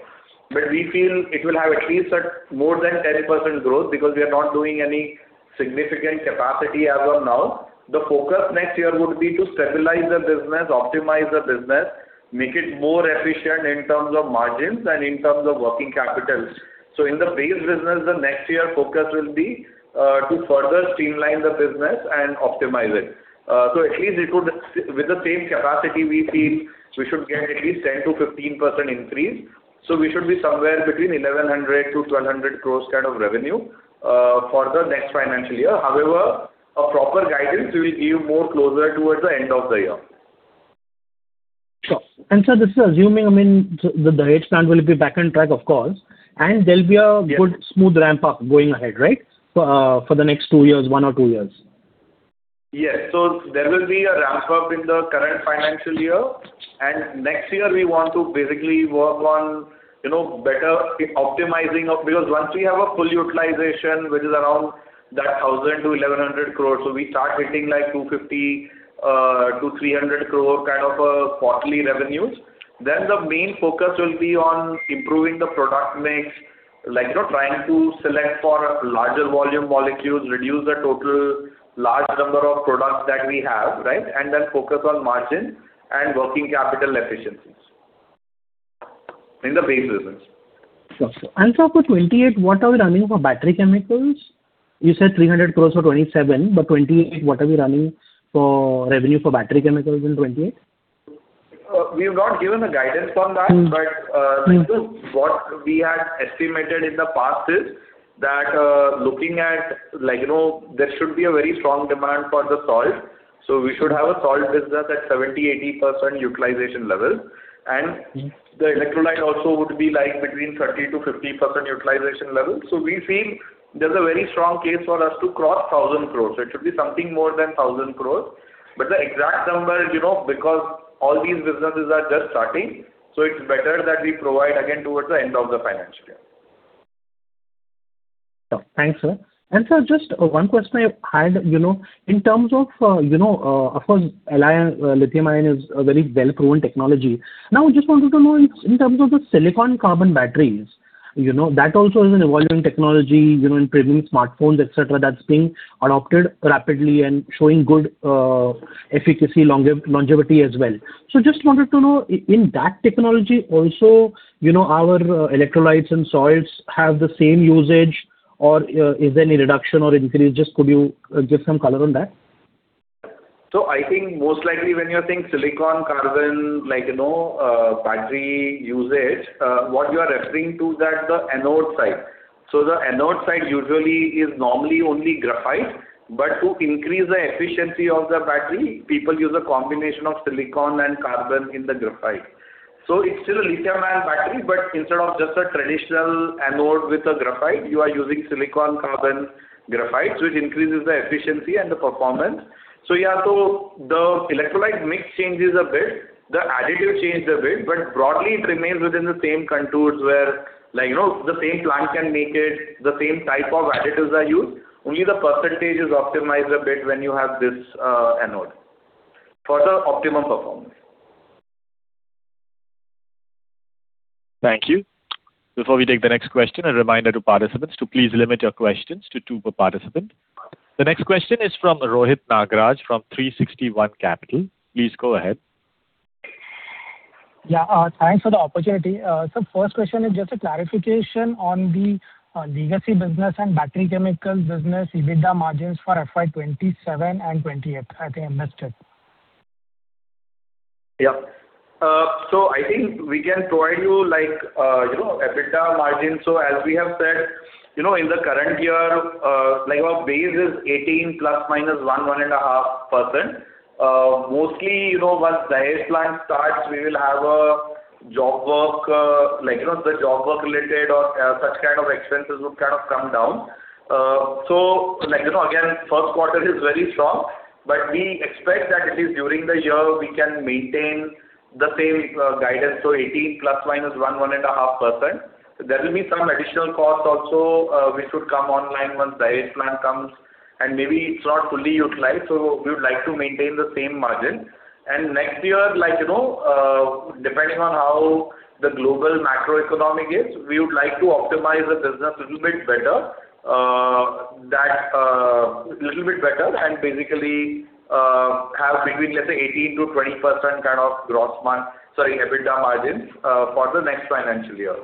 but we feel it will have at least a more than 10% growth because we are not doing any significant capacity as of now. The focus next year would be to stabilize the business, optimize the business, make it more efficient in terms of margins and in terms of working capital. In the base business, the next year focus will be to further streamline the business and optimize it. At least with the same capacity, we feel we should get at least 10%-11% increase. We should be somewhere between 1,100-1,200 crore kind of revenue for the next financial year. However, a proper guidance we will give more closer towards the end of the year. Sure. Sir, this is assuming, the Dahej plant will be back on track, of course, and there will be a good smooth ramp-up going ahead, right? For the next two years, one or two years. Yes. There will be a ramp-up in the current financial year, next year we want to basically work on better optimizing. Because once we have a full utilization, which is around that 1,000-1,100 crore, we start hitting 250 crore-300 crore kind of quarterly revenues. The main focus will be on improving the product mix, trying to select for larger volume molecules, reduce the total large number of products that we have, right? Then focus on margin and working capital efficiencies, in the base business. Sure. Sir, for 2028, what are we running for battery chemicals? You said 300 crore for 2027, 2028, what are we running for revenue for battery chemicals in 2028? We have not given a guidance on that. What we had estimated in the past is that, looking at, there should be a very strong demand for the salt. We should have a salt business at 70%-80% utilization level, and the electrolyte also would be between 30%-50% utilization level. We feel there is a very strong case for us to cross 1,000 crore. It should be something more than 1,000 crore, but the exact number, because all these businesses are just starting, it's better that we provide again towards the end of the financial year. Sure. Thanks, sir. Sir, just one question I had. Of course, lithium-ion is a very well-proven technology. Now, I just wanted to know in terms of the silicon carbon batteries. That also is an evolving technology, in premium smartphones, et cetera, that's being adopted rapidly and showing good efficacy, longevity as well. Just wanted to know, in that technology also, our electrolytes and salts have the same usage, or is there any reduction or increase? Just could you give some color on that? I think most likely when you are saying silicon carbon battery usage, what you are referring to is the anode side. The anode side usually is normally only graphite, but to increase the efficiency of the battery, people use a combination of silicon and carbon in the graphite. It's still a lithium-ion battery, but instead of just a traditional anode with a graphite, you are using silicon carbon graphite, it increases the efficiency and the performance. Yeah, the electrolyte mix changes a bit, the additive change a bit, but broadly it remains within the same contours where the same plant can make it, the same type of additives are used. Only the percentage is optimized a bit when you have this anode for the optimum performance. Thank you. Before we take the next question, a reminder to participants to please limit your questions to two per participant. The next question is from Rohit Nagraj from 360 ONE Capital. Please go ahead. Thanks for the opportunity. Sir, first question is just a clarification on the legacy business and battery chemicals business EBITDA margins for FY 2027 and FY 2028, I think I missed it. I think we can provide you EBITDA margin. As we have said, in the current year, our base is 18% ± 1%, 1.5%. Mostly, once Dahej plant starts, we will have the job work related or such kind of expenses will kind of come down. Again, first quarter is very strong, but we expect that at least during the year, we can maintain the same guidance so 18% ± 1%, 1.5%. There will be some additional costs also, which would come online once Dahej plant comes. Maybe it's not fully utilized, so we would like to maintain the same margin. Next year, depending on how the global macroeconomic is, we would like to optimize the business a little bit better and basically have between, let's say, 18%-20% EBITDA margins for the next financial year.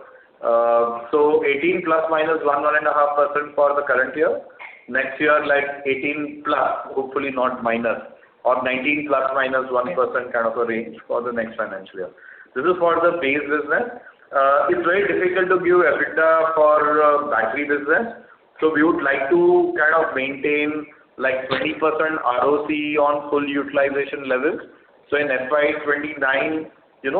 18% ± 1% and a half for the current year. Next year, 18%+, hopefully not minus, or 19% ± 1% kind of a range for the next financial year. This is for the base business. It's very difficult to give EBITDA for battery business. We would like to maintain 20% ROC on full utilization levels. In FY 2029,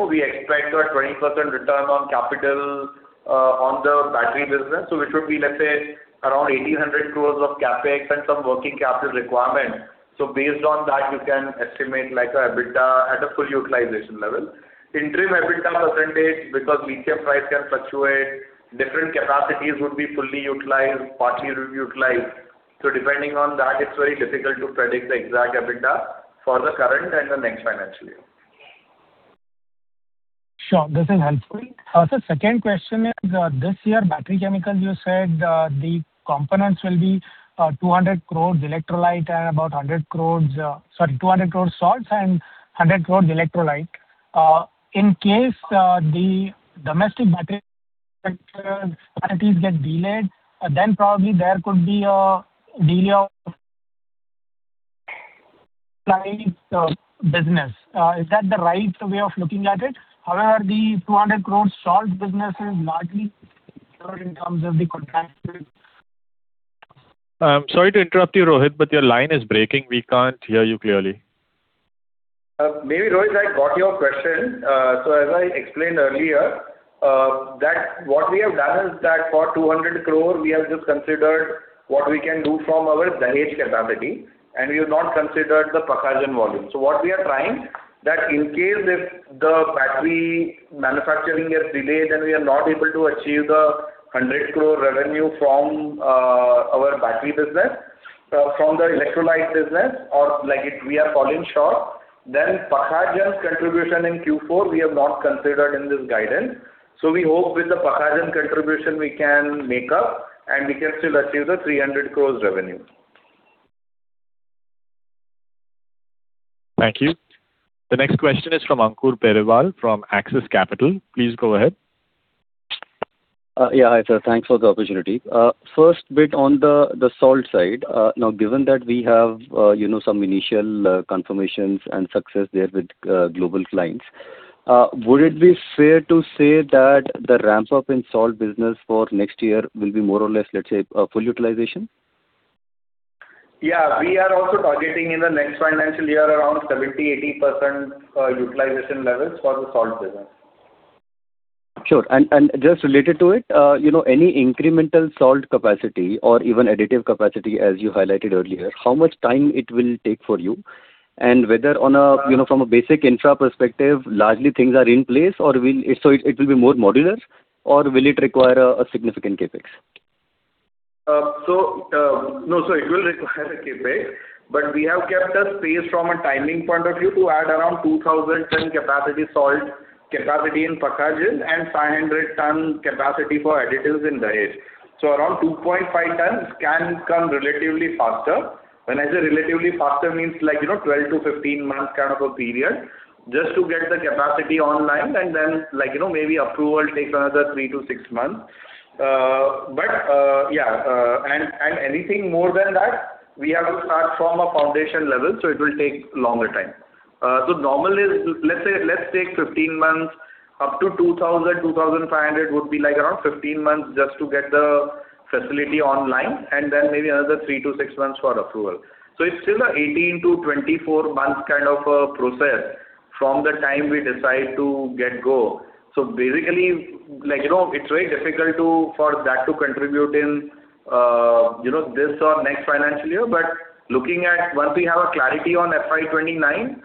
we expect a 20% return on capital on the battery business. Which would be, let's say, around 1,800 crore of CapEx and some working capital requirements. Based on that, you can estimate like an EBITDA at a full utilization level. Interim EBITDA percentage, because lithium price can fluctuate, different capacities would be fully utilized, partly utilized. Depending on that, it's very difficult to predict the exact EBITDA for the current and the next financial year. Sure. This is helpful. Sir, second question is, this year battery chemicals, you said, the components will be 200 crore salts and 100 crore electrolyte. In case the domestic battery factories get delayed, then probably there could be a delay of business. Is that the right way of looking at it? However, the 200 crore salt business is largely in terms of the contracted- I'm sorry to interrupt you, Rohit, but your line is breaking. We can't hear you clearly. Maybe, Rohit, I got your question. As I explained earlier, that what we have done is that for 200 crore, we have just considered what we can do from our Dahej capacity, and we have not considered the Pakhajan volume. What we are trying, that in case if the battery manufacturing gets delayed, then we are not able to achieve the 100 crore revenue from our battery business, from the electrolyte business or we are falling short, then Pakhajan's contribution in Q4, we have not considered in this guidance. We hope with the Pakhajan contribution, we can make up and we can still achieve the 300 crore revenue. Thank you. The next question is from Ankur Periwal from Axis Capital. Please go ahead. Yeah. Hi, sir. Thanks for the opportunity. First bit on the salt side. Now given that we have some initial confirmations and success there with global clients, would it be fair to say that the ramps up in salt business for next year will be more or less, let's say, full utilization? We are also targeting in the next financial year around 70%-80% utilization levels for the salt business. Sure. Just related to it, any incremental salt capacity or even additive capacity as you highlighted earlier, how much time it will take for you? Whether from a basic infra perspective, largely things are in place, so it will be more modular or will it require a significant CapEx? No, sir. It will require a CapEx, but we have kept a space from a timing point of view to add around 2,000 ton capacity salt capacity in Pakhajan and 500 ton capacity for additives in Dahej. Around 2.5 tons can come relatively faster. When I say relatively faster means 12-15 months kind of a period just to get the capacity online and then maybe approval takes another three to six months. Anything more than that, we have to start from a foundation level, so it will take longer time. Normal is, let's take 15 months up to 2,000, 2,500 would be around 15 months just to get the facility online, and then maybe another three to six months for approval. It is still an 18-24 months kind of a process from the time we decide to get-go. Basically, it's very difficult for that to contribute in this or next financial year. Looking at once we have a clarity on FY 2029,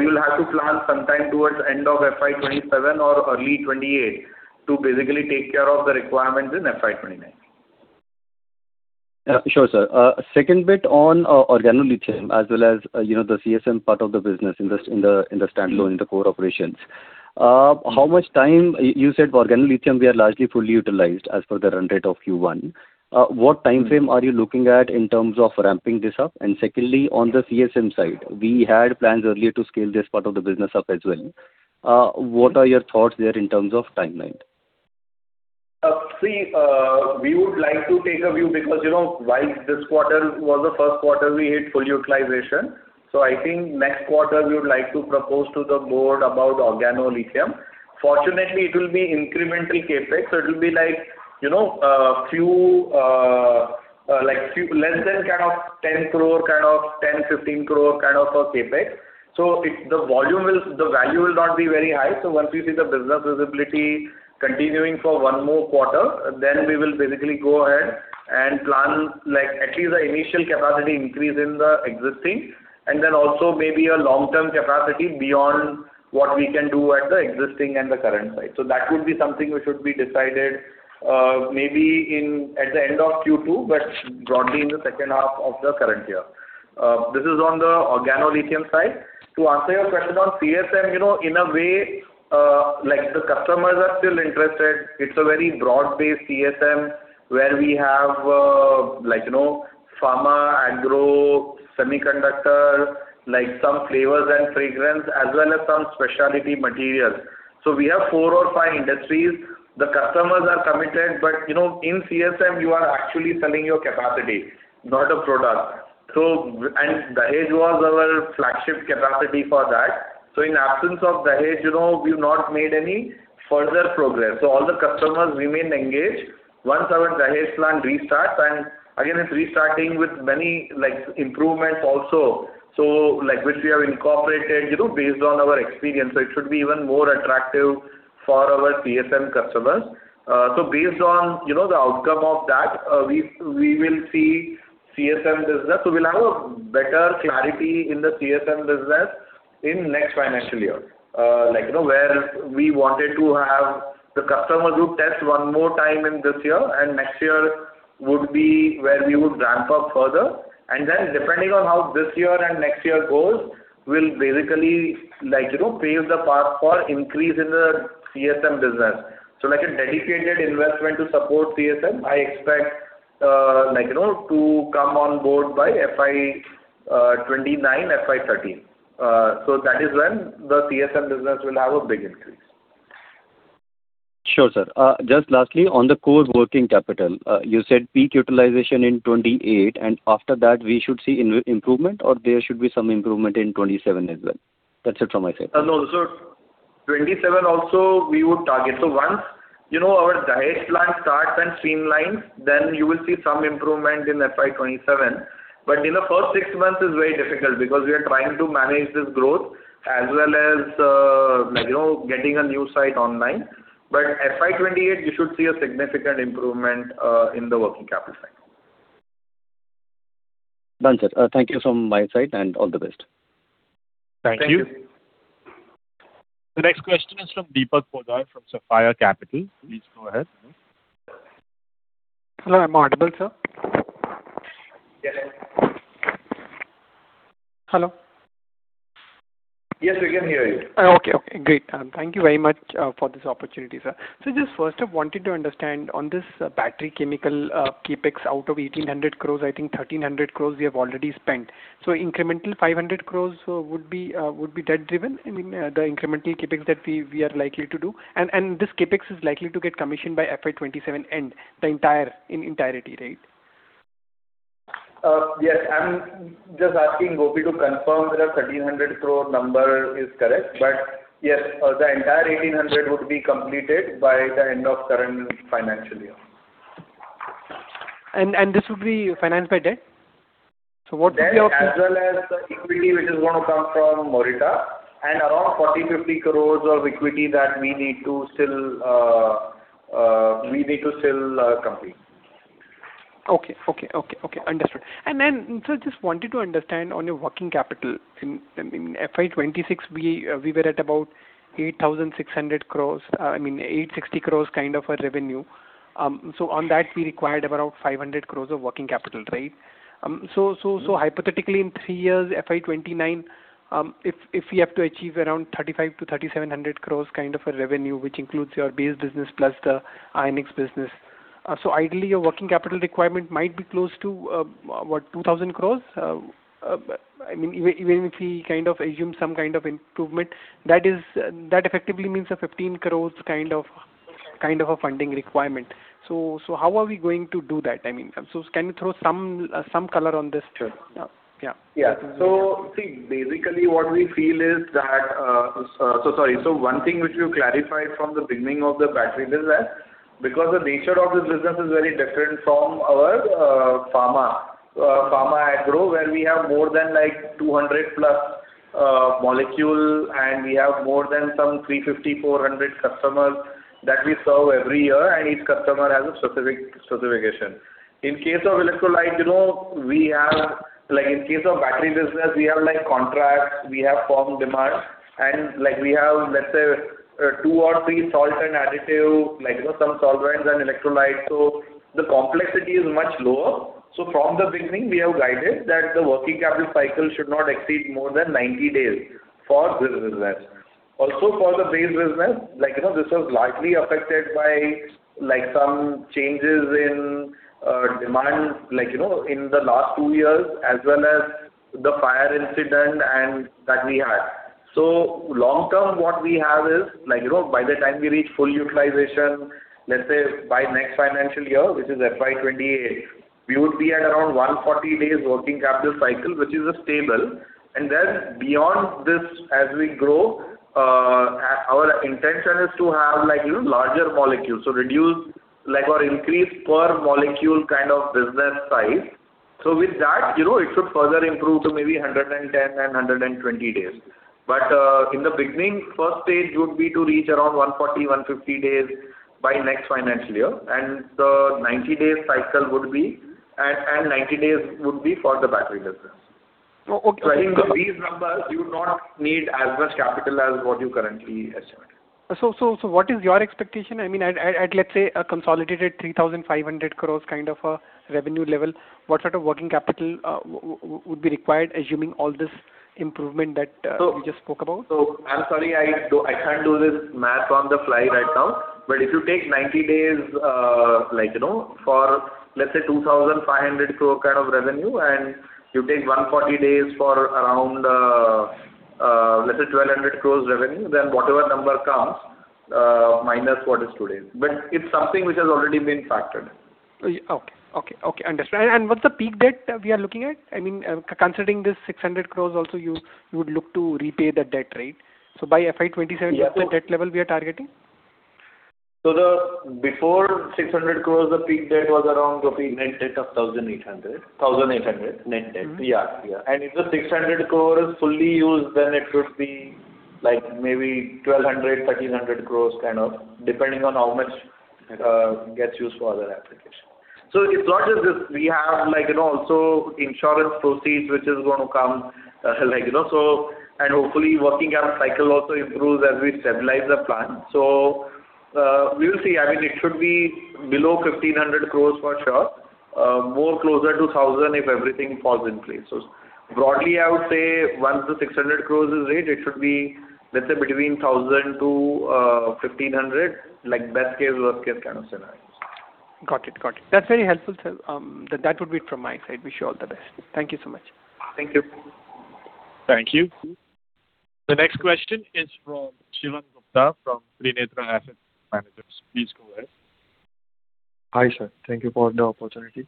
we will have to plan sometime towards end of FY 2027 or early 2028 to basically take care of the requirements in FY 2029. Sure, sir. Second bit on organolithium as well as the CSM part of the business in the standalone, the core operations. You said organolithium we are largely fully utilized as per the run rate of Q1. What timeframe are you looking at in terms of ramping this up? Secondly, on the CSM side, we had plans earlier to scale this part of the business up as well. What are your thoughts there in terms of timeline? We would like to take a view because, while this quarter was the first quarter we hit full utilization, I think next quarter we would like to propose to the board about organolithium. Fortunately, it will be incremental CapEx, it will be less than 10 crore kind of 10 crore-15 crore kind of a CapEx. The value will not be very high. Once we see the business visibility continuing for one more quarter, then we will basically go ahead and plan at least the initial capacity increase in the existing and then also maybe a long-term capacity beyond what we can do at the existing and the current site. That would be something which would be decided maybe at the end of Q2, but broadly in the H2 of the current year. This is on the organolithium side. To answer your question on CSM, in a way, the customers are still interested. It's a very broad-based CSM where we have pharma, agro, semiconductor, some flavors and fragrance, as well as some specialty materials. We have four or five industries. The customers are committed, but in CSM, you are actually selling your capacity, not a product. Dahej was our flagship capacity for that. In absence of Dahej, we've not made any further progress. All the customers remain engaged once our Dahej plant restarts, and again, it's restarting with many improvements also, which we have incorporated based on our experience. It should be even more attractive for our CSM customers. Based on the outcome of that, we will see CSM business. We'll have a better clarity in the CSM business in next financial year, where we wanted to have the customer do test one more time in this year, and next year would be where we would ramp up further. Depending on how this year and next year goes, will basically pave the path for increase in the CSM business. A dedicated investment to support CSM, I expect to come on board by FY 2029, FY 2030. That is when the CSM business will have a big increase. Sure, sir. Just lastly, on the core working capital, you said peak utilization in 2028, after that we should see improvement or there should be some improvement in 2027 as well? That's it from my side. No. 2027 also we would target. Once our Dahej plant starts and streamlines, you will see some improvement in FY 2027. In the first six months, it's very difficult because we are trying to manage this growth as well as getting a new site online. FY 2028, you should see a significant improvement in the working capital cycle. Done, sir. Thank you from my side, all the best. Thank you. Thank you. The next question is from Deepak Poddar from Sapphire Capital. Please go ahead. Hello, am I audible, sir? Yes. Hello. Yes, we can hear you. Okay, great. Thank you very much for this opportunity, sir. Just first off, wanted to understand on this battery chemical CapEx out of 1,800 crore, I think 1,300 crore we have already spent. Incremental 500 crore would be debt-driven, I mean, the incremental CapEx that we are likely to do, and this CapEx is likely to get commissioned by FY 2027 end in entirety, right? Yes. I'm just asking Gopi to confirm that our 1,300 crore number is correct. Yes, the entire 1,800 crore would be completed by the end of current financial year. This would be financed by debt? What would be your- Debt as well as equity, which is going to come from Morita, and around 40 crore-50 crore of equity that we need to still complete. Okay. Understood. Then, sir, just wanted to understand on your working capital. In FY 2026, we were at about 860 crore kind of a revenue. On that, we required about 500 crore of working capital. Right? Hypothetically, in three years, FY 2029, if we have to achieve around 3,500 crore-3,700 crore kind of a revenue, which includes your base business plus the Ionics business. Ideally, your working capital requirement might be close to what? 2,000 crore? Even if we assume some kind of improvement, that effectively means a 1,500 crore kind of a funding requirement. How are we going to do that? Can you throw some color on this too? Sure. Yeah. Yeah. See, basically what we feel is that one thing which we've clarified from the beginning of the battery business, because the nature of this business is very different from our pharma agro, where we have more than 200+ molecules, and we have more than some 350-400 customers that we serve every year, and each customer has a specific specification. In case of battery business, we have contracts, we have firm demand, and we have, let's say, two or three salt and additive, some solvents and electrolytes. The complexity is much lower. From the beginning, we have guided that the working capital cycle should not exceed more than 90 days for this business. Also for the base business, this was largely affected by some changes in demand in the last two years as well as the fire incident that we had. Long term, what we have is, by the time we reach full utilization, let's say by next financial year, which is FY 2028, we would be at around 140 days working capital cycle, which is stable. Beyond this, as we grow, our intention is to have larger molecules. Reduce or increase per molecule kind of business size. With that, it should further improve to maybe 110-120 days. In the beginning, first stage would be to reach around 140-150 days by next financial year. 90 days would be for the battery business. Okay. I think with these numbers, you would not need as much capital as what you currently estimate. What is your expectation? I mean, at let's say a consolidated 3,500 crore kind of a revenue level, what sort of working capital would be required assuming all this improvement that you just spoke about? I'm sorry, I can't do this math on the fly right now. If you take 90 days for let's say 2,500 crore kind of revenue, you take 140 days for around let's say 1,200 crore revenue, whatever number comes, minus what is today. It's something which has already been factored. Okay. Understood. What's the peak debt we are looking at? I mean, considering this 600 crore also, you would look to repay the debt, right? By FY 2027, what's the debt level we are targeting? Before 600 crore, the peak debt was around. The peak net debt of 1,800. 1,800 net debt. Yeah. If the 600 crore is fully used, then it would be maybe 1,200 crore, 1,300 crore kind of, depending on how much gets used for other applications. It's not just this. We have also insurance proceeds, which is going to come, and hopefully working capital cycle also improves as we stabilize the plant. We will see. I mean, it should be below 1,500 crore for sure, more closer to 1,000 if everything falls in place. Broadly, I would say once the 600 crore is raised, it should be, let's say between 1,000-1,500, like best case, worst case kind of scenarios. Got it. That's very helpful, sir. That would be it from my side. Wish you all the best. Thank you so much. Thank you. Thank you. The next question is from Shivam Gupta from Trinetra Asset Managers. Please go ahead. Hi, sir. Thank you for the opportunity.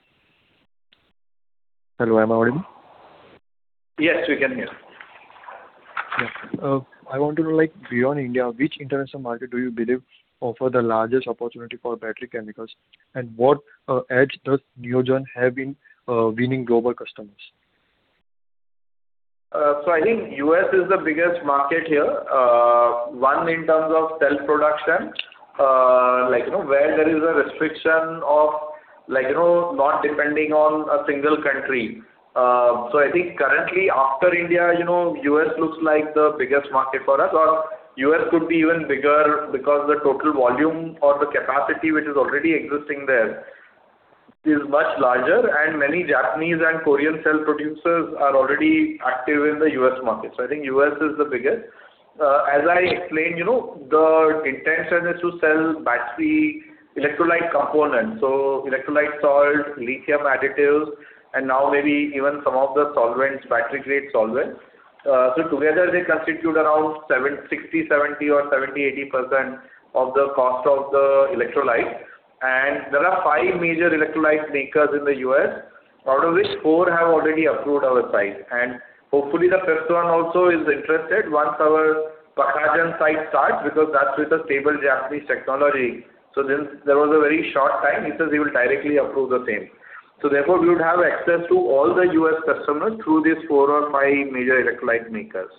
Hello, am I audible? Yes, we can hear. Yeah. I want to know, like beyond India, which international market do you believe offer the largest opportunity for battery chemicals? What edge does Neogen have in winning global customers? I think U.S. is the biggest market here. One, in terms of cell production, where there is a restriction of not depending on a single country. I think currently after India, U.S. looks like the biggest market for us, or U.S. could be even bigger because the total volume or the capacity which is already existing there is much larger, and many Japanese and Korean cell producers are already active in the U.S. market. I think U.S. is the biggest. As I explained, the intention is to sell battery electrolyte components, electrolyte salt, lithium additives, and now maybe even some of the solvents, battery grade solvents. Together they constitute around 60%-70% or 70%-80% of the cost of the electrolyte. There are five major electrolyte makers in the U.S., out of which four have already approved our site. Hopefully the fifth one also is interested once our Pakhajan site starts, because that's with a stable Japanese technology. Since that was a very short time, he says he will directly approve the same. Therefore, we would have access to all the U.S. customers through these four or five major electrolyte makers.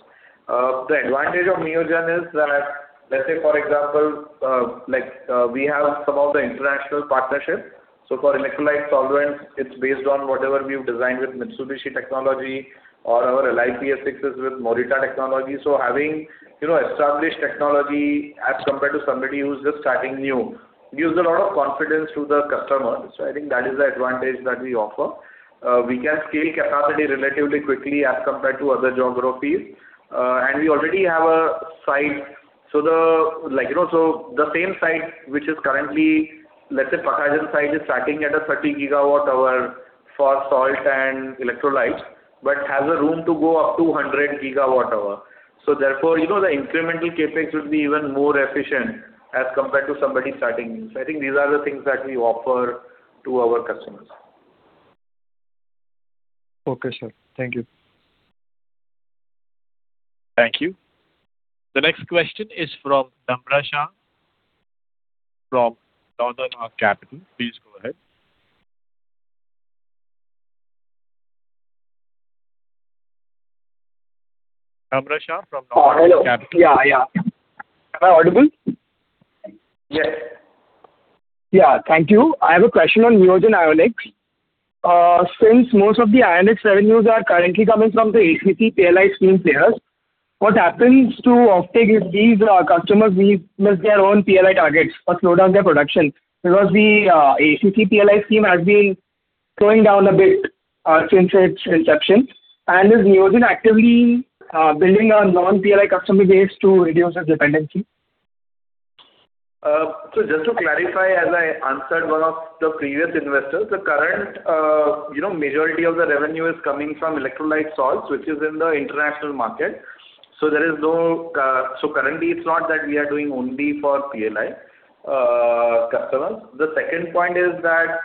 The advantage of Neogen is that, let's say for example, we have some of the international partnerships. For electrolyte solvents, it's based on whatever we've designed with Mitsubishi technology or our LiPF6 is with Morita technology. Having established technology as compared to somebody who's just starting new gives a lot of confidence to the customers. I think that is the advantage that we offer. We can scale capacity relatively quickly as compared to other geographies. We already have a site, the same site which is currently, let's say Pakhajan site is starting at a 30 GWh for salt and electrolytes, but has a room to go up to 100 GWh. Therefore, the incremental CapEx would be even more efficient as compared to somebody starting new. I think these are the things that we offer to our customers. Okay, sir. Thank you. Thank you. The next question is from Dara Shah from Northern Arc Capital. Please go ahead. Dara Shah from Northern Arc Capital. Hello. Yeah. Am I audible? Yes. Yeah. Thank you. I have a question on Neogen Ionics. Since most of the Ionics revenues are currently coming from the ACC PLI scheme players, what happens to offtake if these customers miss their own PLI targets or slow down their production? The ACC PLI scheme has been slowing down a bit since its inception, is Neogen actively building a non-PLI customer base to reduce its dependency? Just to clarify, as I answered one of the previous investors, the current majority of the revenue is coming from electrolyte salts, which is in the international market. Currently it's not that we are doing only for PLI customers. The second point is that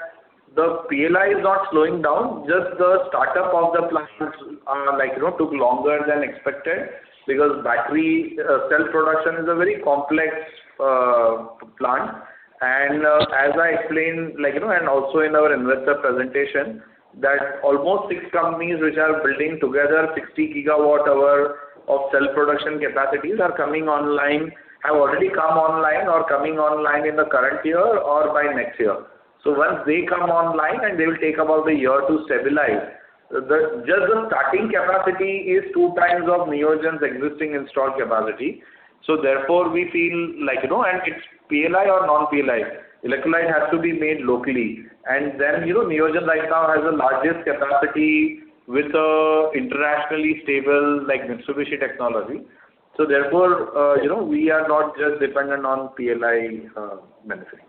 the PLI is not slowing down, just the startup of the plants took longer than expected because battery cell production is a very complex plant. As I explained, and also in our investor presentation, that almost six companies which are building together 60 GWh of cell production capacities are coming online, have already come online or coming online in the current year or by next year. Once they come online, they will take about a year to stabilize. Just the starting capacity is two times of Neogen's existing installed capacity. Therefore, we feel like it's PLI or non-PLI. Electrolyte has to be made locally. Neogen right now has the largest capacity with an internationally stable Mitsubishi technology. We are not just dependent on PLI benefits.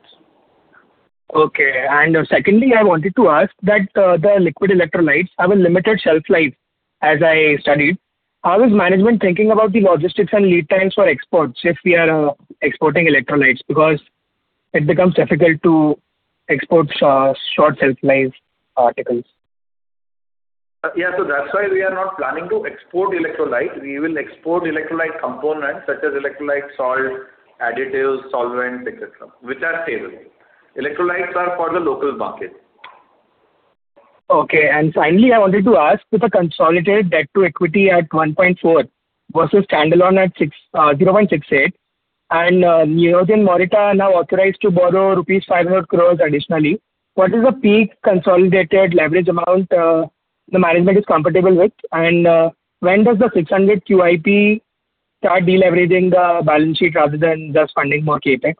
Okay. I wanted to ask that the liquid electrolytes have a limited shelf life, as I studied. How is management thinking about the logistics and lead times for exports if we are exporting electrolytes? Because it becomes difficult to export short shelf life articles. Yeah. That's why we are not planning to export electrolyte. We will export electrolyte components such as electrolyte salt, additives, solvents, et cetera, which are stable. Electrolytes are for the local market. Okay. I wanted to ask, with the consolidated debt to equity at 1.4 versus standalone at 0.68, Neogen Morita are now authorized to borrow rupees 500 crore additionally. What is the peak consolidated leverage amount the management is comfortable with? When does the 600 QIP start de-leveraging the balance sheet rather than just funding more CapEx?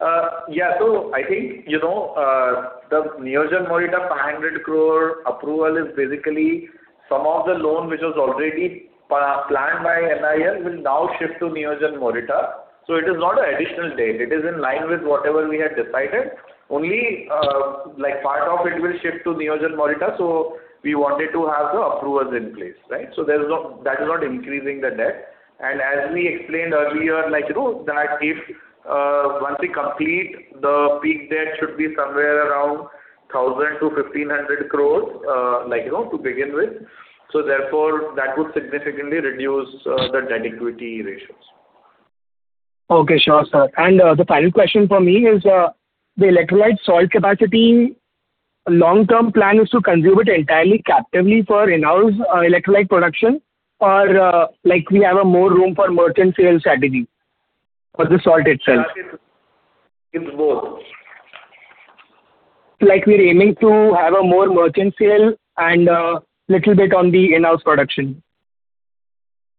Yeah. I think, the Neogen Morita 500 crore approval is basically some of the loan which was already planned by NIL will now shift to Neogen Morita. It is not an additional debt. It is in line with whatever we had decided. Only part of it will shift to Neogen Morita, we wanted to have the approvals in place. Right? That is not increasing the debt. As we explained earlier, that once we complete, the peak debt should be somewhere around 1,000 crore-1,500 crore, to begin with. Therefore, that would significantly reduce the debt equity ratios. Okay. Sure, sir. The final question from me is, the electrolyte salt capacity long-term plan is to consume it entirely captively for in-house electrolyte production. We have a more room for merchant sale strategy for the salt itself? It's both. Like we're aiming to have a more merchant sale and a little bit on the in-house production?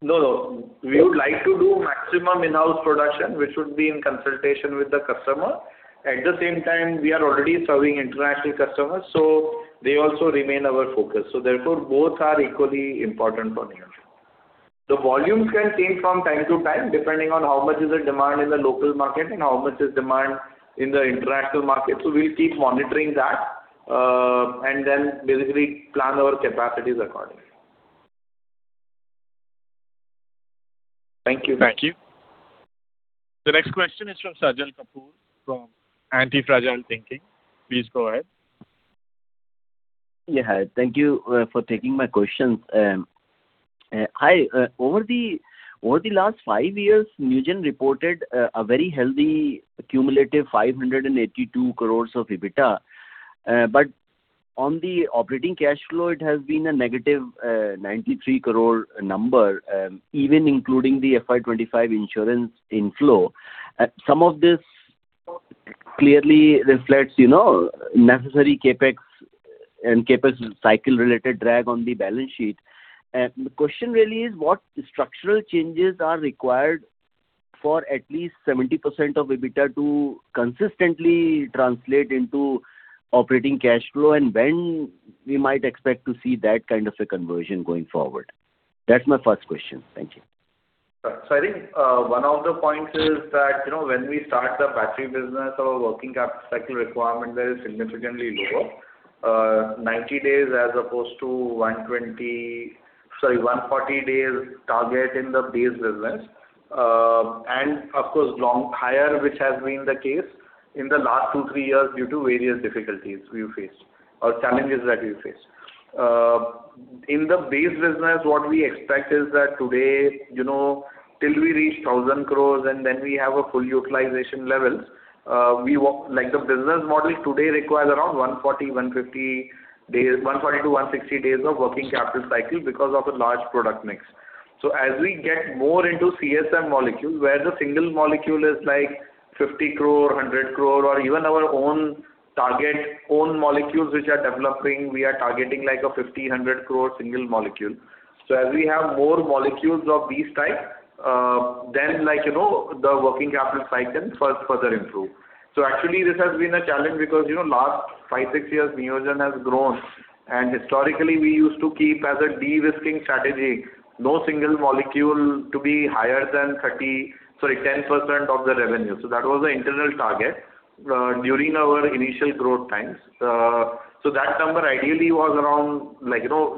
No, no. We would like to do maximum in-house production, which would be in consultation with the customer. At the same time, we are already serving international customers, so they also remain our focus. Therefore, both are equally important for Neogen. The volumes can change from time to time, depending on how much is the demand in the local market and how much is demand in the international market. We'll keep monitoring that, then basically plan our capacities accordingly. Thank you. Thank you. The next question is from Sajal Kapoor from Antifragile Thinking. Please go ahead. Yeah. Thank you for taking my questions. Hi. Over the last five years, Neogen reported a very healthy cumulative 582 crore of EBITDA. On the operating cash flow, it has been a negative 93 crore number, even including the FY 2025 insurance inflow. Some of this clearly reflects necessary CapEx and CapEx cycle-related drag on the balance sheet. The question really is, what structural changes are required for at least 70% of EBITDA to consistently translate into operating cash flow, and when we might expect to see that kind of a conversion going forward? That's my first question. Thank you. I think one of the points is that, when we start the battery business, our working capital cycle requirement there is significantly lower. 90 days as opposed to 140 days target in the base business. Of course, long higher, which has been the case in the last two, three years due to various difficulties we faced or challenges that we faced. In the base business, what we expect is that today, till we reach 1,000 crore and then we have a full utilization levels, the business model today requires around 140-160 days of working capital cycle because of a large product mix. As we get more into CSM molecules, where the single molecule is like 50 crore, 100 crore, or even our own target own molecules which are developing, we are targeting like a 1,500 crore single molecule. As we have more molecules of these type, then the working capital cycle further improve. Actually, this has been a challenge because last five, six years, Neogen has grown, and historically we used to keep as a de-risking strategy, no single molecule to be higher than 10% of the revenue. That was the internal target during our initial growth times. That number ideally was around,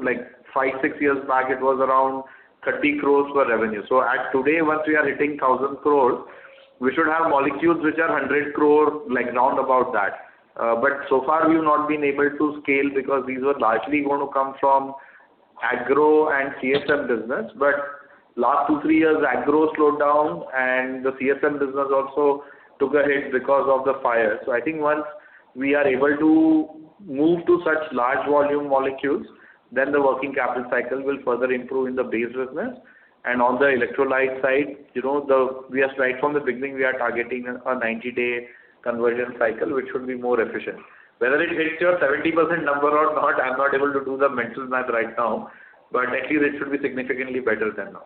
like five, six years back, it was around 30 crore per revenue. As today, once we are hitting 1,000 crore, we should have molecules which are 100 crore, like round about that. So far, we've not been able to scale because these were largely going to come from agro and CSM business. Last two, three years, agro slowed down and the CSM business also took a hit because of the fire. I think once we are able to move to such large volume molecules, then the working capital cycle will further improve in the base business. On the electrolyte side, right from the beginning, we are targeting a 90-day conversion cycle, which should be more efficient. Whether it hits your 70% number or not, I'm not able to do the mental math right now, but at least it should be significantly better than now.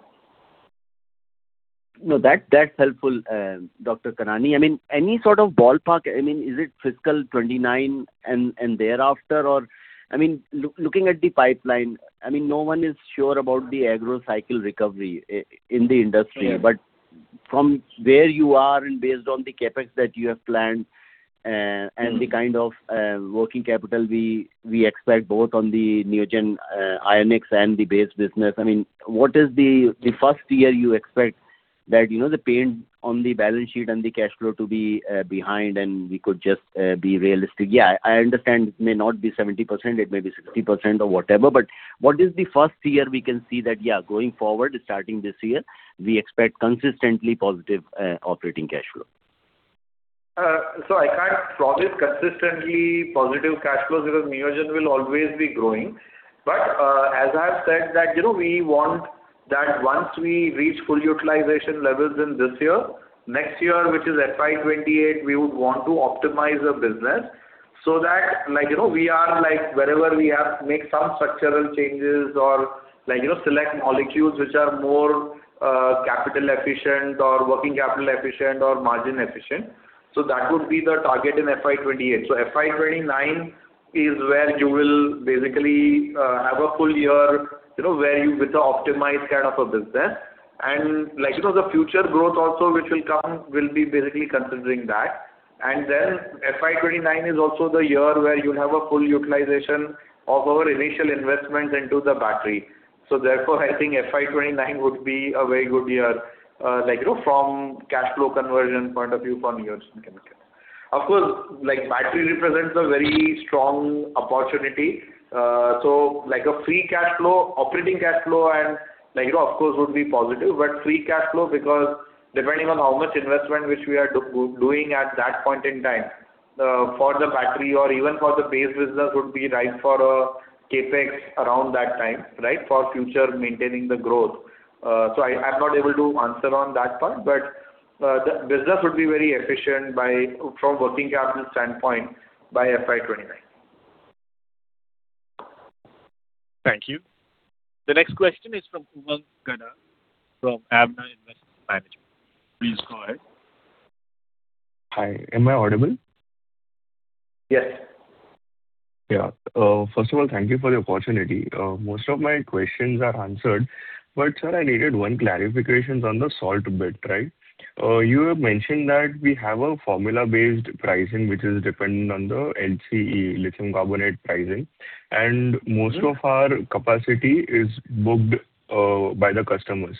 No, that's helpful, Dr. Kanani. Any sort of ballpark? Is it fiscal 2029 and thereafter? Looking at the pipeline, no one is sure about the agro cycle recovery in the industry. Yeah. From where you are and based on the CapEx that you have planned and the kind of working capital we expect, both on the Neogen Ionics and the base business, what is the first year you expect that the pain on the balance sheet and the cash flow to be behind and we could just be realistic? I understand it may not be 70%, it may be 60% or whatever. What is the first year we can see that, going forward, starting this year, we expect consistently positive operating cash flow? I can't promise consistently positive cash flows because Neogen will always be growing. As I've said that we want that once we reach full utilization levels in this year, next year, which is FY 2028, we would want to optimize the business so that wherever we have, make some structural changes or select molecules which are more capital efficient or working capital efficient or margin efficient. That would be the target in FY 2028. FY 2029 is where you will basically have a full year with the optimized kind of a business. The future growth also which will come will be basically considering that. Then FY 2029 is also the year where you have a full utilization of our initial investments into the battery. Therefore, I think FY 2029 would be a very good year from cash flow conversion point of view for Neogen Chemicals. Of course, battery represents a very strong opportunity. A free cash flow, operating cash flow, of course, would be positive, but free cash flow because depending on how much investment which we are doing at that point in time, for the battery or even for the base business would be right for a CapEx around that time, for future maintaining the growth. I'm not able to answer on that part, but the business would be very efficient from working capital standpoint by FY 2029. Thank you. The next question is from Umang Khanna from Avana Investment Management. Please go ahead. Hi. Am I audible? Yes. Yeah. First of all, thank you for the opportunity. Most of my questions are answered, but, sir, I needed one clarification on the salt bit. You have mentioned that we have a formula-based pricing which is dependent on the LCE, lithium carbonate pricing, and most of our capacity is booked by the customers.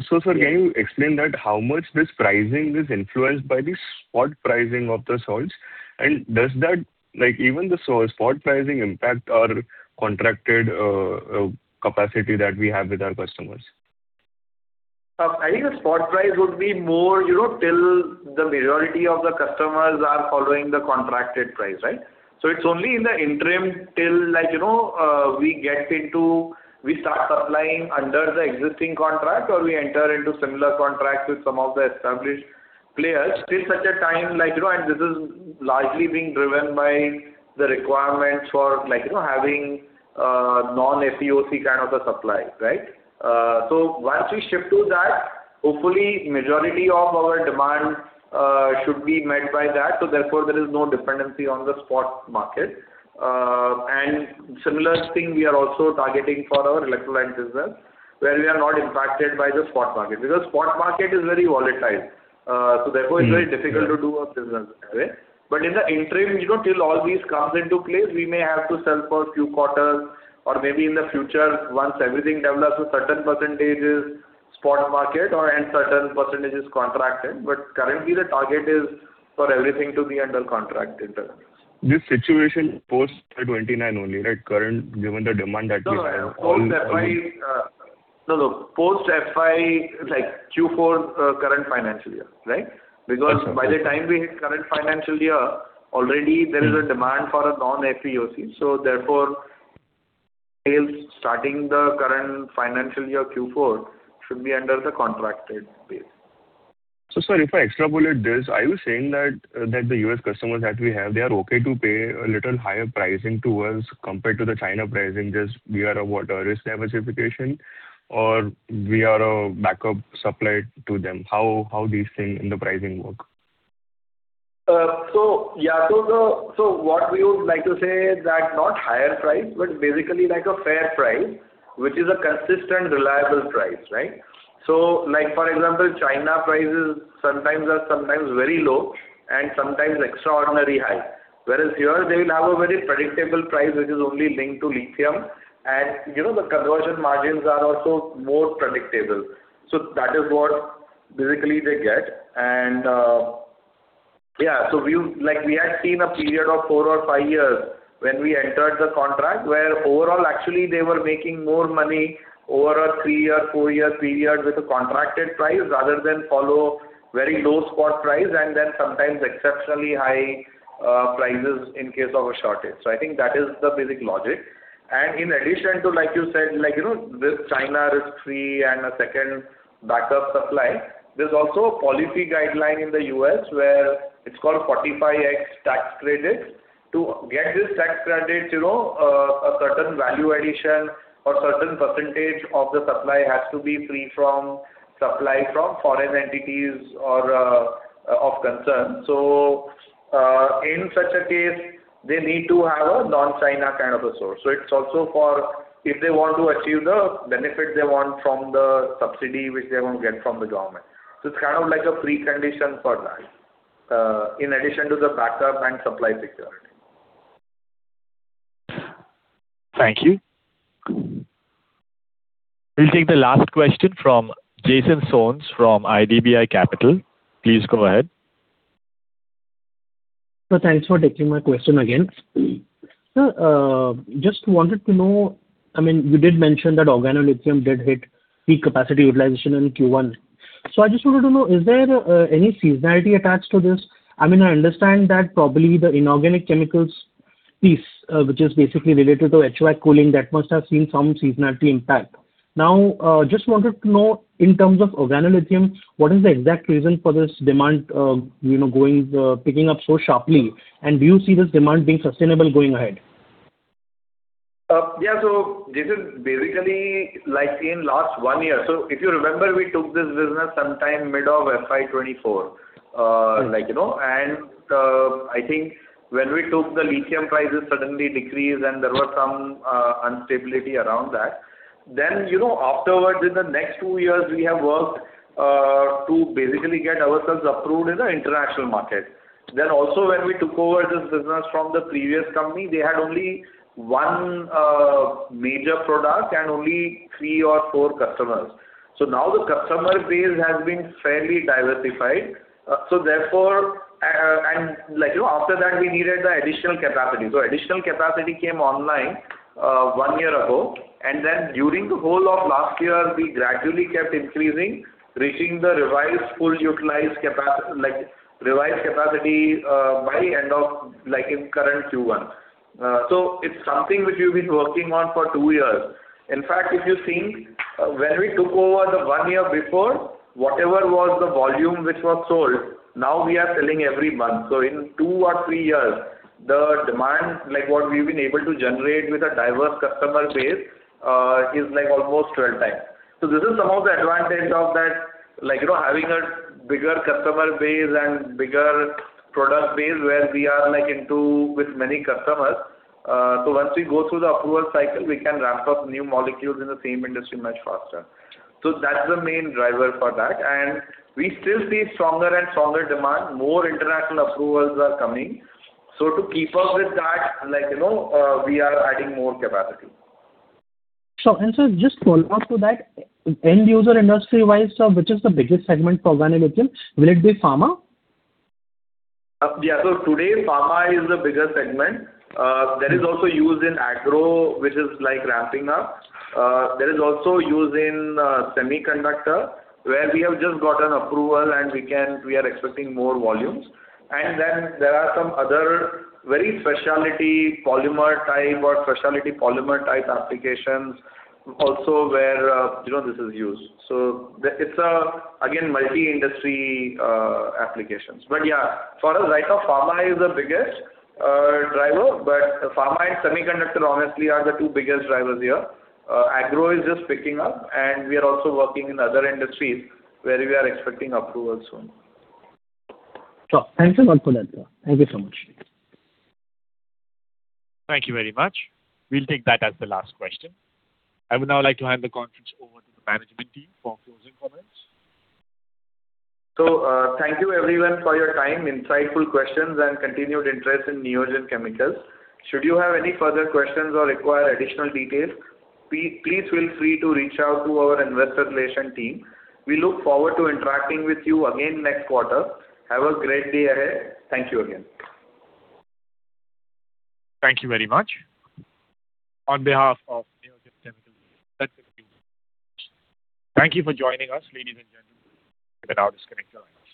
Sir, can you explain that how much this pricing is influenced by the spot pricing of the salts, and does that, even the spot pricing impact our contracted capacity that we have with our customers? I think the spot price would be more till the majority of the customers are following the contracted price. It's only in the interim till we start supplying under the existing contract or we enter into similar contracts with some of the established players. Till such a time, and this is largely being driven by the requirements for having non-FEOC kind of a supply. Once we shift to that, hopefully majority of our demand should be met by that. Therefore, there is no dependency on the spot market. Similar thing we are also targeting for our electrolyte business, where we are not impacted by the spot market. Because spot market is very volatile, so therefore it's very difficult to do a business that way. In the interim, till all these comes into place, we may have to sell for few quarters or maybe in the future, once everything develops, a certain percentage is spot market or/and certain percentage is contracted, currently the target is for everything to be under contracted terms. This situation post 2029 only, right? Given the demand that we have. No, post FY. Post FY, Q4, current financial year. By the time we hit current financial year, already there is a demand for a non-FEOC, therefore, sales starting the current financial year Q4 should be under the contracted base. Sir, if I extrapolate this, are you saying that the U.S. customers that we have, they are okay to pay a little higher pricing to us compared to the China pricing, just we are a, what, a risk diversification or we are a backup supplier to them? How these thing in the pricing work? What we would like to say is that not higher price, but basically like a fair price, which is a consistent, reliable price. For example, China prices sometimes are very low and sometimes extraordinarily high. Whereas here they will have a very predictable price which is only linked to lithium and the conversion margins are also more predictable. That is what basically they get, and we had seen a period of four or five years when we entered the contract where overall actually they were making more money over a three-year, four-year period with a contracted price rather than follow very low spot price and then sometimes exceptionally high prices in case of a shortage. I think that is the basic logic. In addition to, like you said, this China-risk-free and a second backup supply, there's also a policy guideline in the U.S. where it's called Section 45X tax credit. To get this tax credit, a certain value addition or certain percentage of the supply has to be free from supply from Foreign Entities of Concern. In such a case, they need to have a non-China kind of a source. It's also for if they want to achieve the benefit they want from the subsidy, which they want to get from the government. It's kind of like a precondition for that, in addition to the backup and supply security. Thank you. We'll take the last question from Jason Soans from IDBI Capital. Please go ahead. Sir, thanks for taking my question again. Sir, just wanted to know, you did mention that organolithium did hit peak capacity utilization in Q1. I just wanted to know, is there any seasonality attached to this? I understand that probably the inorganic chemicals piece, which is basically related to HVAC cooling, that must have seen some seasonality impact. Just wanted to know in terms of organolithium, what is the exact reason for this demand picking up so sharply, and do you see this demand being sustainable going ahead? Yeah. This is basically like in last one year. If you remember, we took this business sometime mid of FY 2024. I think when we took, the lithium prices suddenly decreased and there was some instability around that. Afterwards, in the next two years, we have worked to basically get ourselves approved in the international market. Also when we took over this business from the previous company, they had only one major product and only three or four customers. Now the customer base has been fairly diversified. After that, we needed the additional capacity. Additional capacity came online one year ago, and then during the whole of last year, we gradually kept increasing, reaching the revised capacity by end of current Q1. It's something which we've been working on for two years. In fact, if you think when we took over the one year before, whatever was the volume which was sold, now we are selling every month. In two or three years, the demand, like what we've been able to generate with a diverse customer base, is almost 12 times. This is some of the advantage of having a bigger customer base and bigger product base where we are into with many customers. Once we go through the approval cycle, we can ramp up new molecules in the same industry much faster. That's the main driver for that. We still see stronger and stronger demand. More international approvals are coming. To keep up with that, we are adding more capacity. Sir, just follow up to that. End user industry wise, sir, which is the biggest segment for organolithium? Will it be pharma? Yeah. Today, pharma is the biggest segment. There is also use in agro, which is ramping up. There is also use in semiconductor, where we have just gotten approval and we are expecting more volumes. Then there are some other very specialty polymer type or specialty polymer type applications also where this is used. It's, again, multi-industry applications. Yeah, for as right now, pharma is the biggest driver, but pharma and semiconductor honestly are the two biggest drivers here. Agro is just picking up, and we are also working in other industries where we are expecting approval soon. Sure. Thanks a lot for that, sir. Thank you so much. Thank you very much. We'll take that as the last question. I would now like to hand the conference over to the management team for closing comments. Thank you everyone for your time, insightful questions, and continued interest in Neogen Chemicals. Should you have any further questions or require additional details, please feel free to reach out to our investor relation team. We look forward to interacting with you again next quarter. Have a great day ahead. Thank you again. Thank you very much. On behalf of Neogen Chemicals, that concludes the call. Thank you for joining us, ladies and gentlemen. You may now disconnect your lines.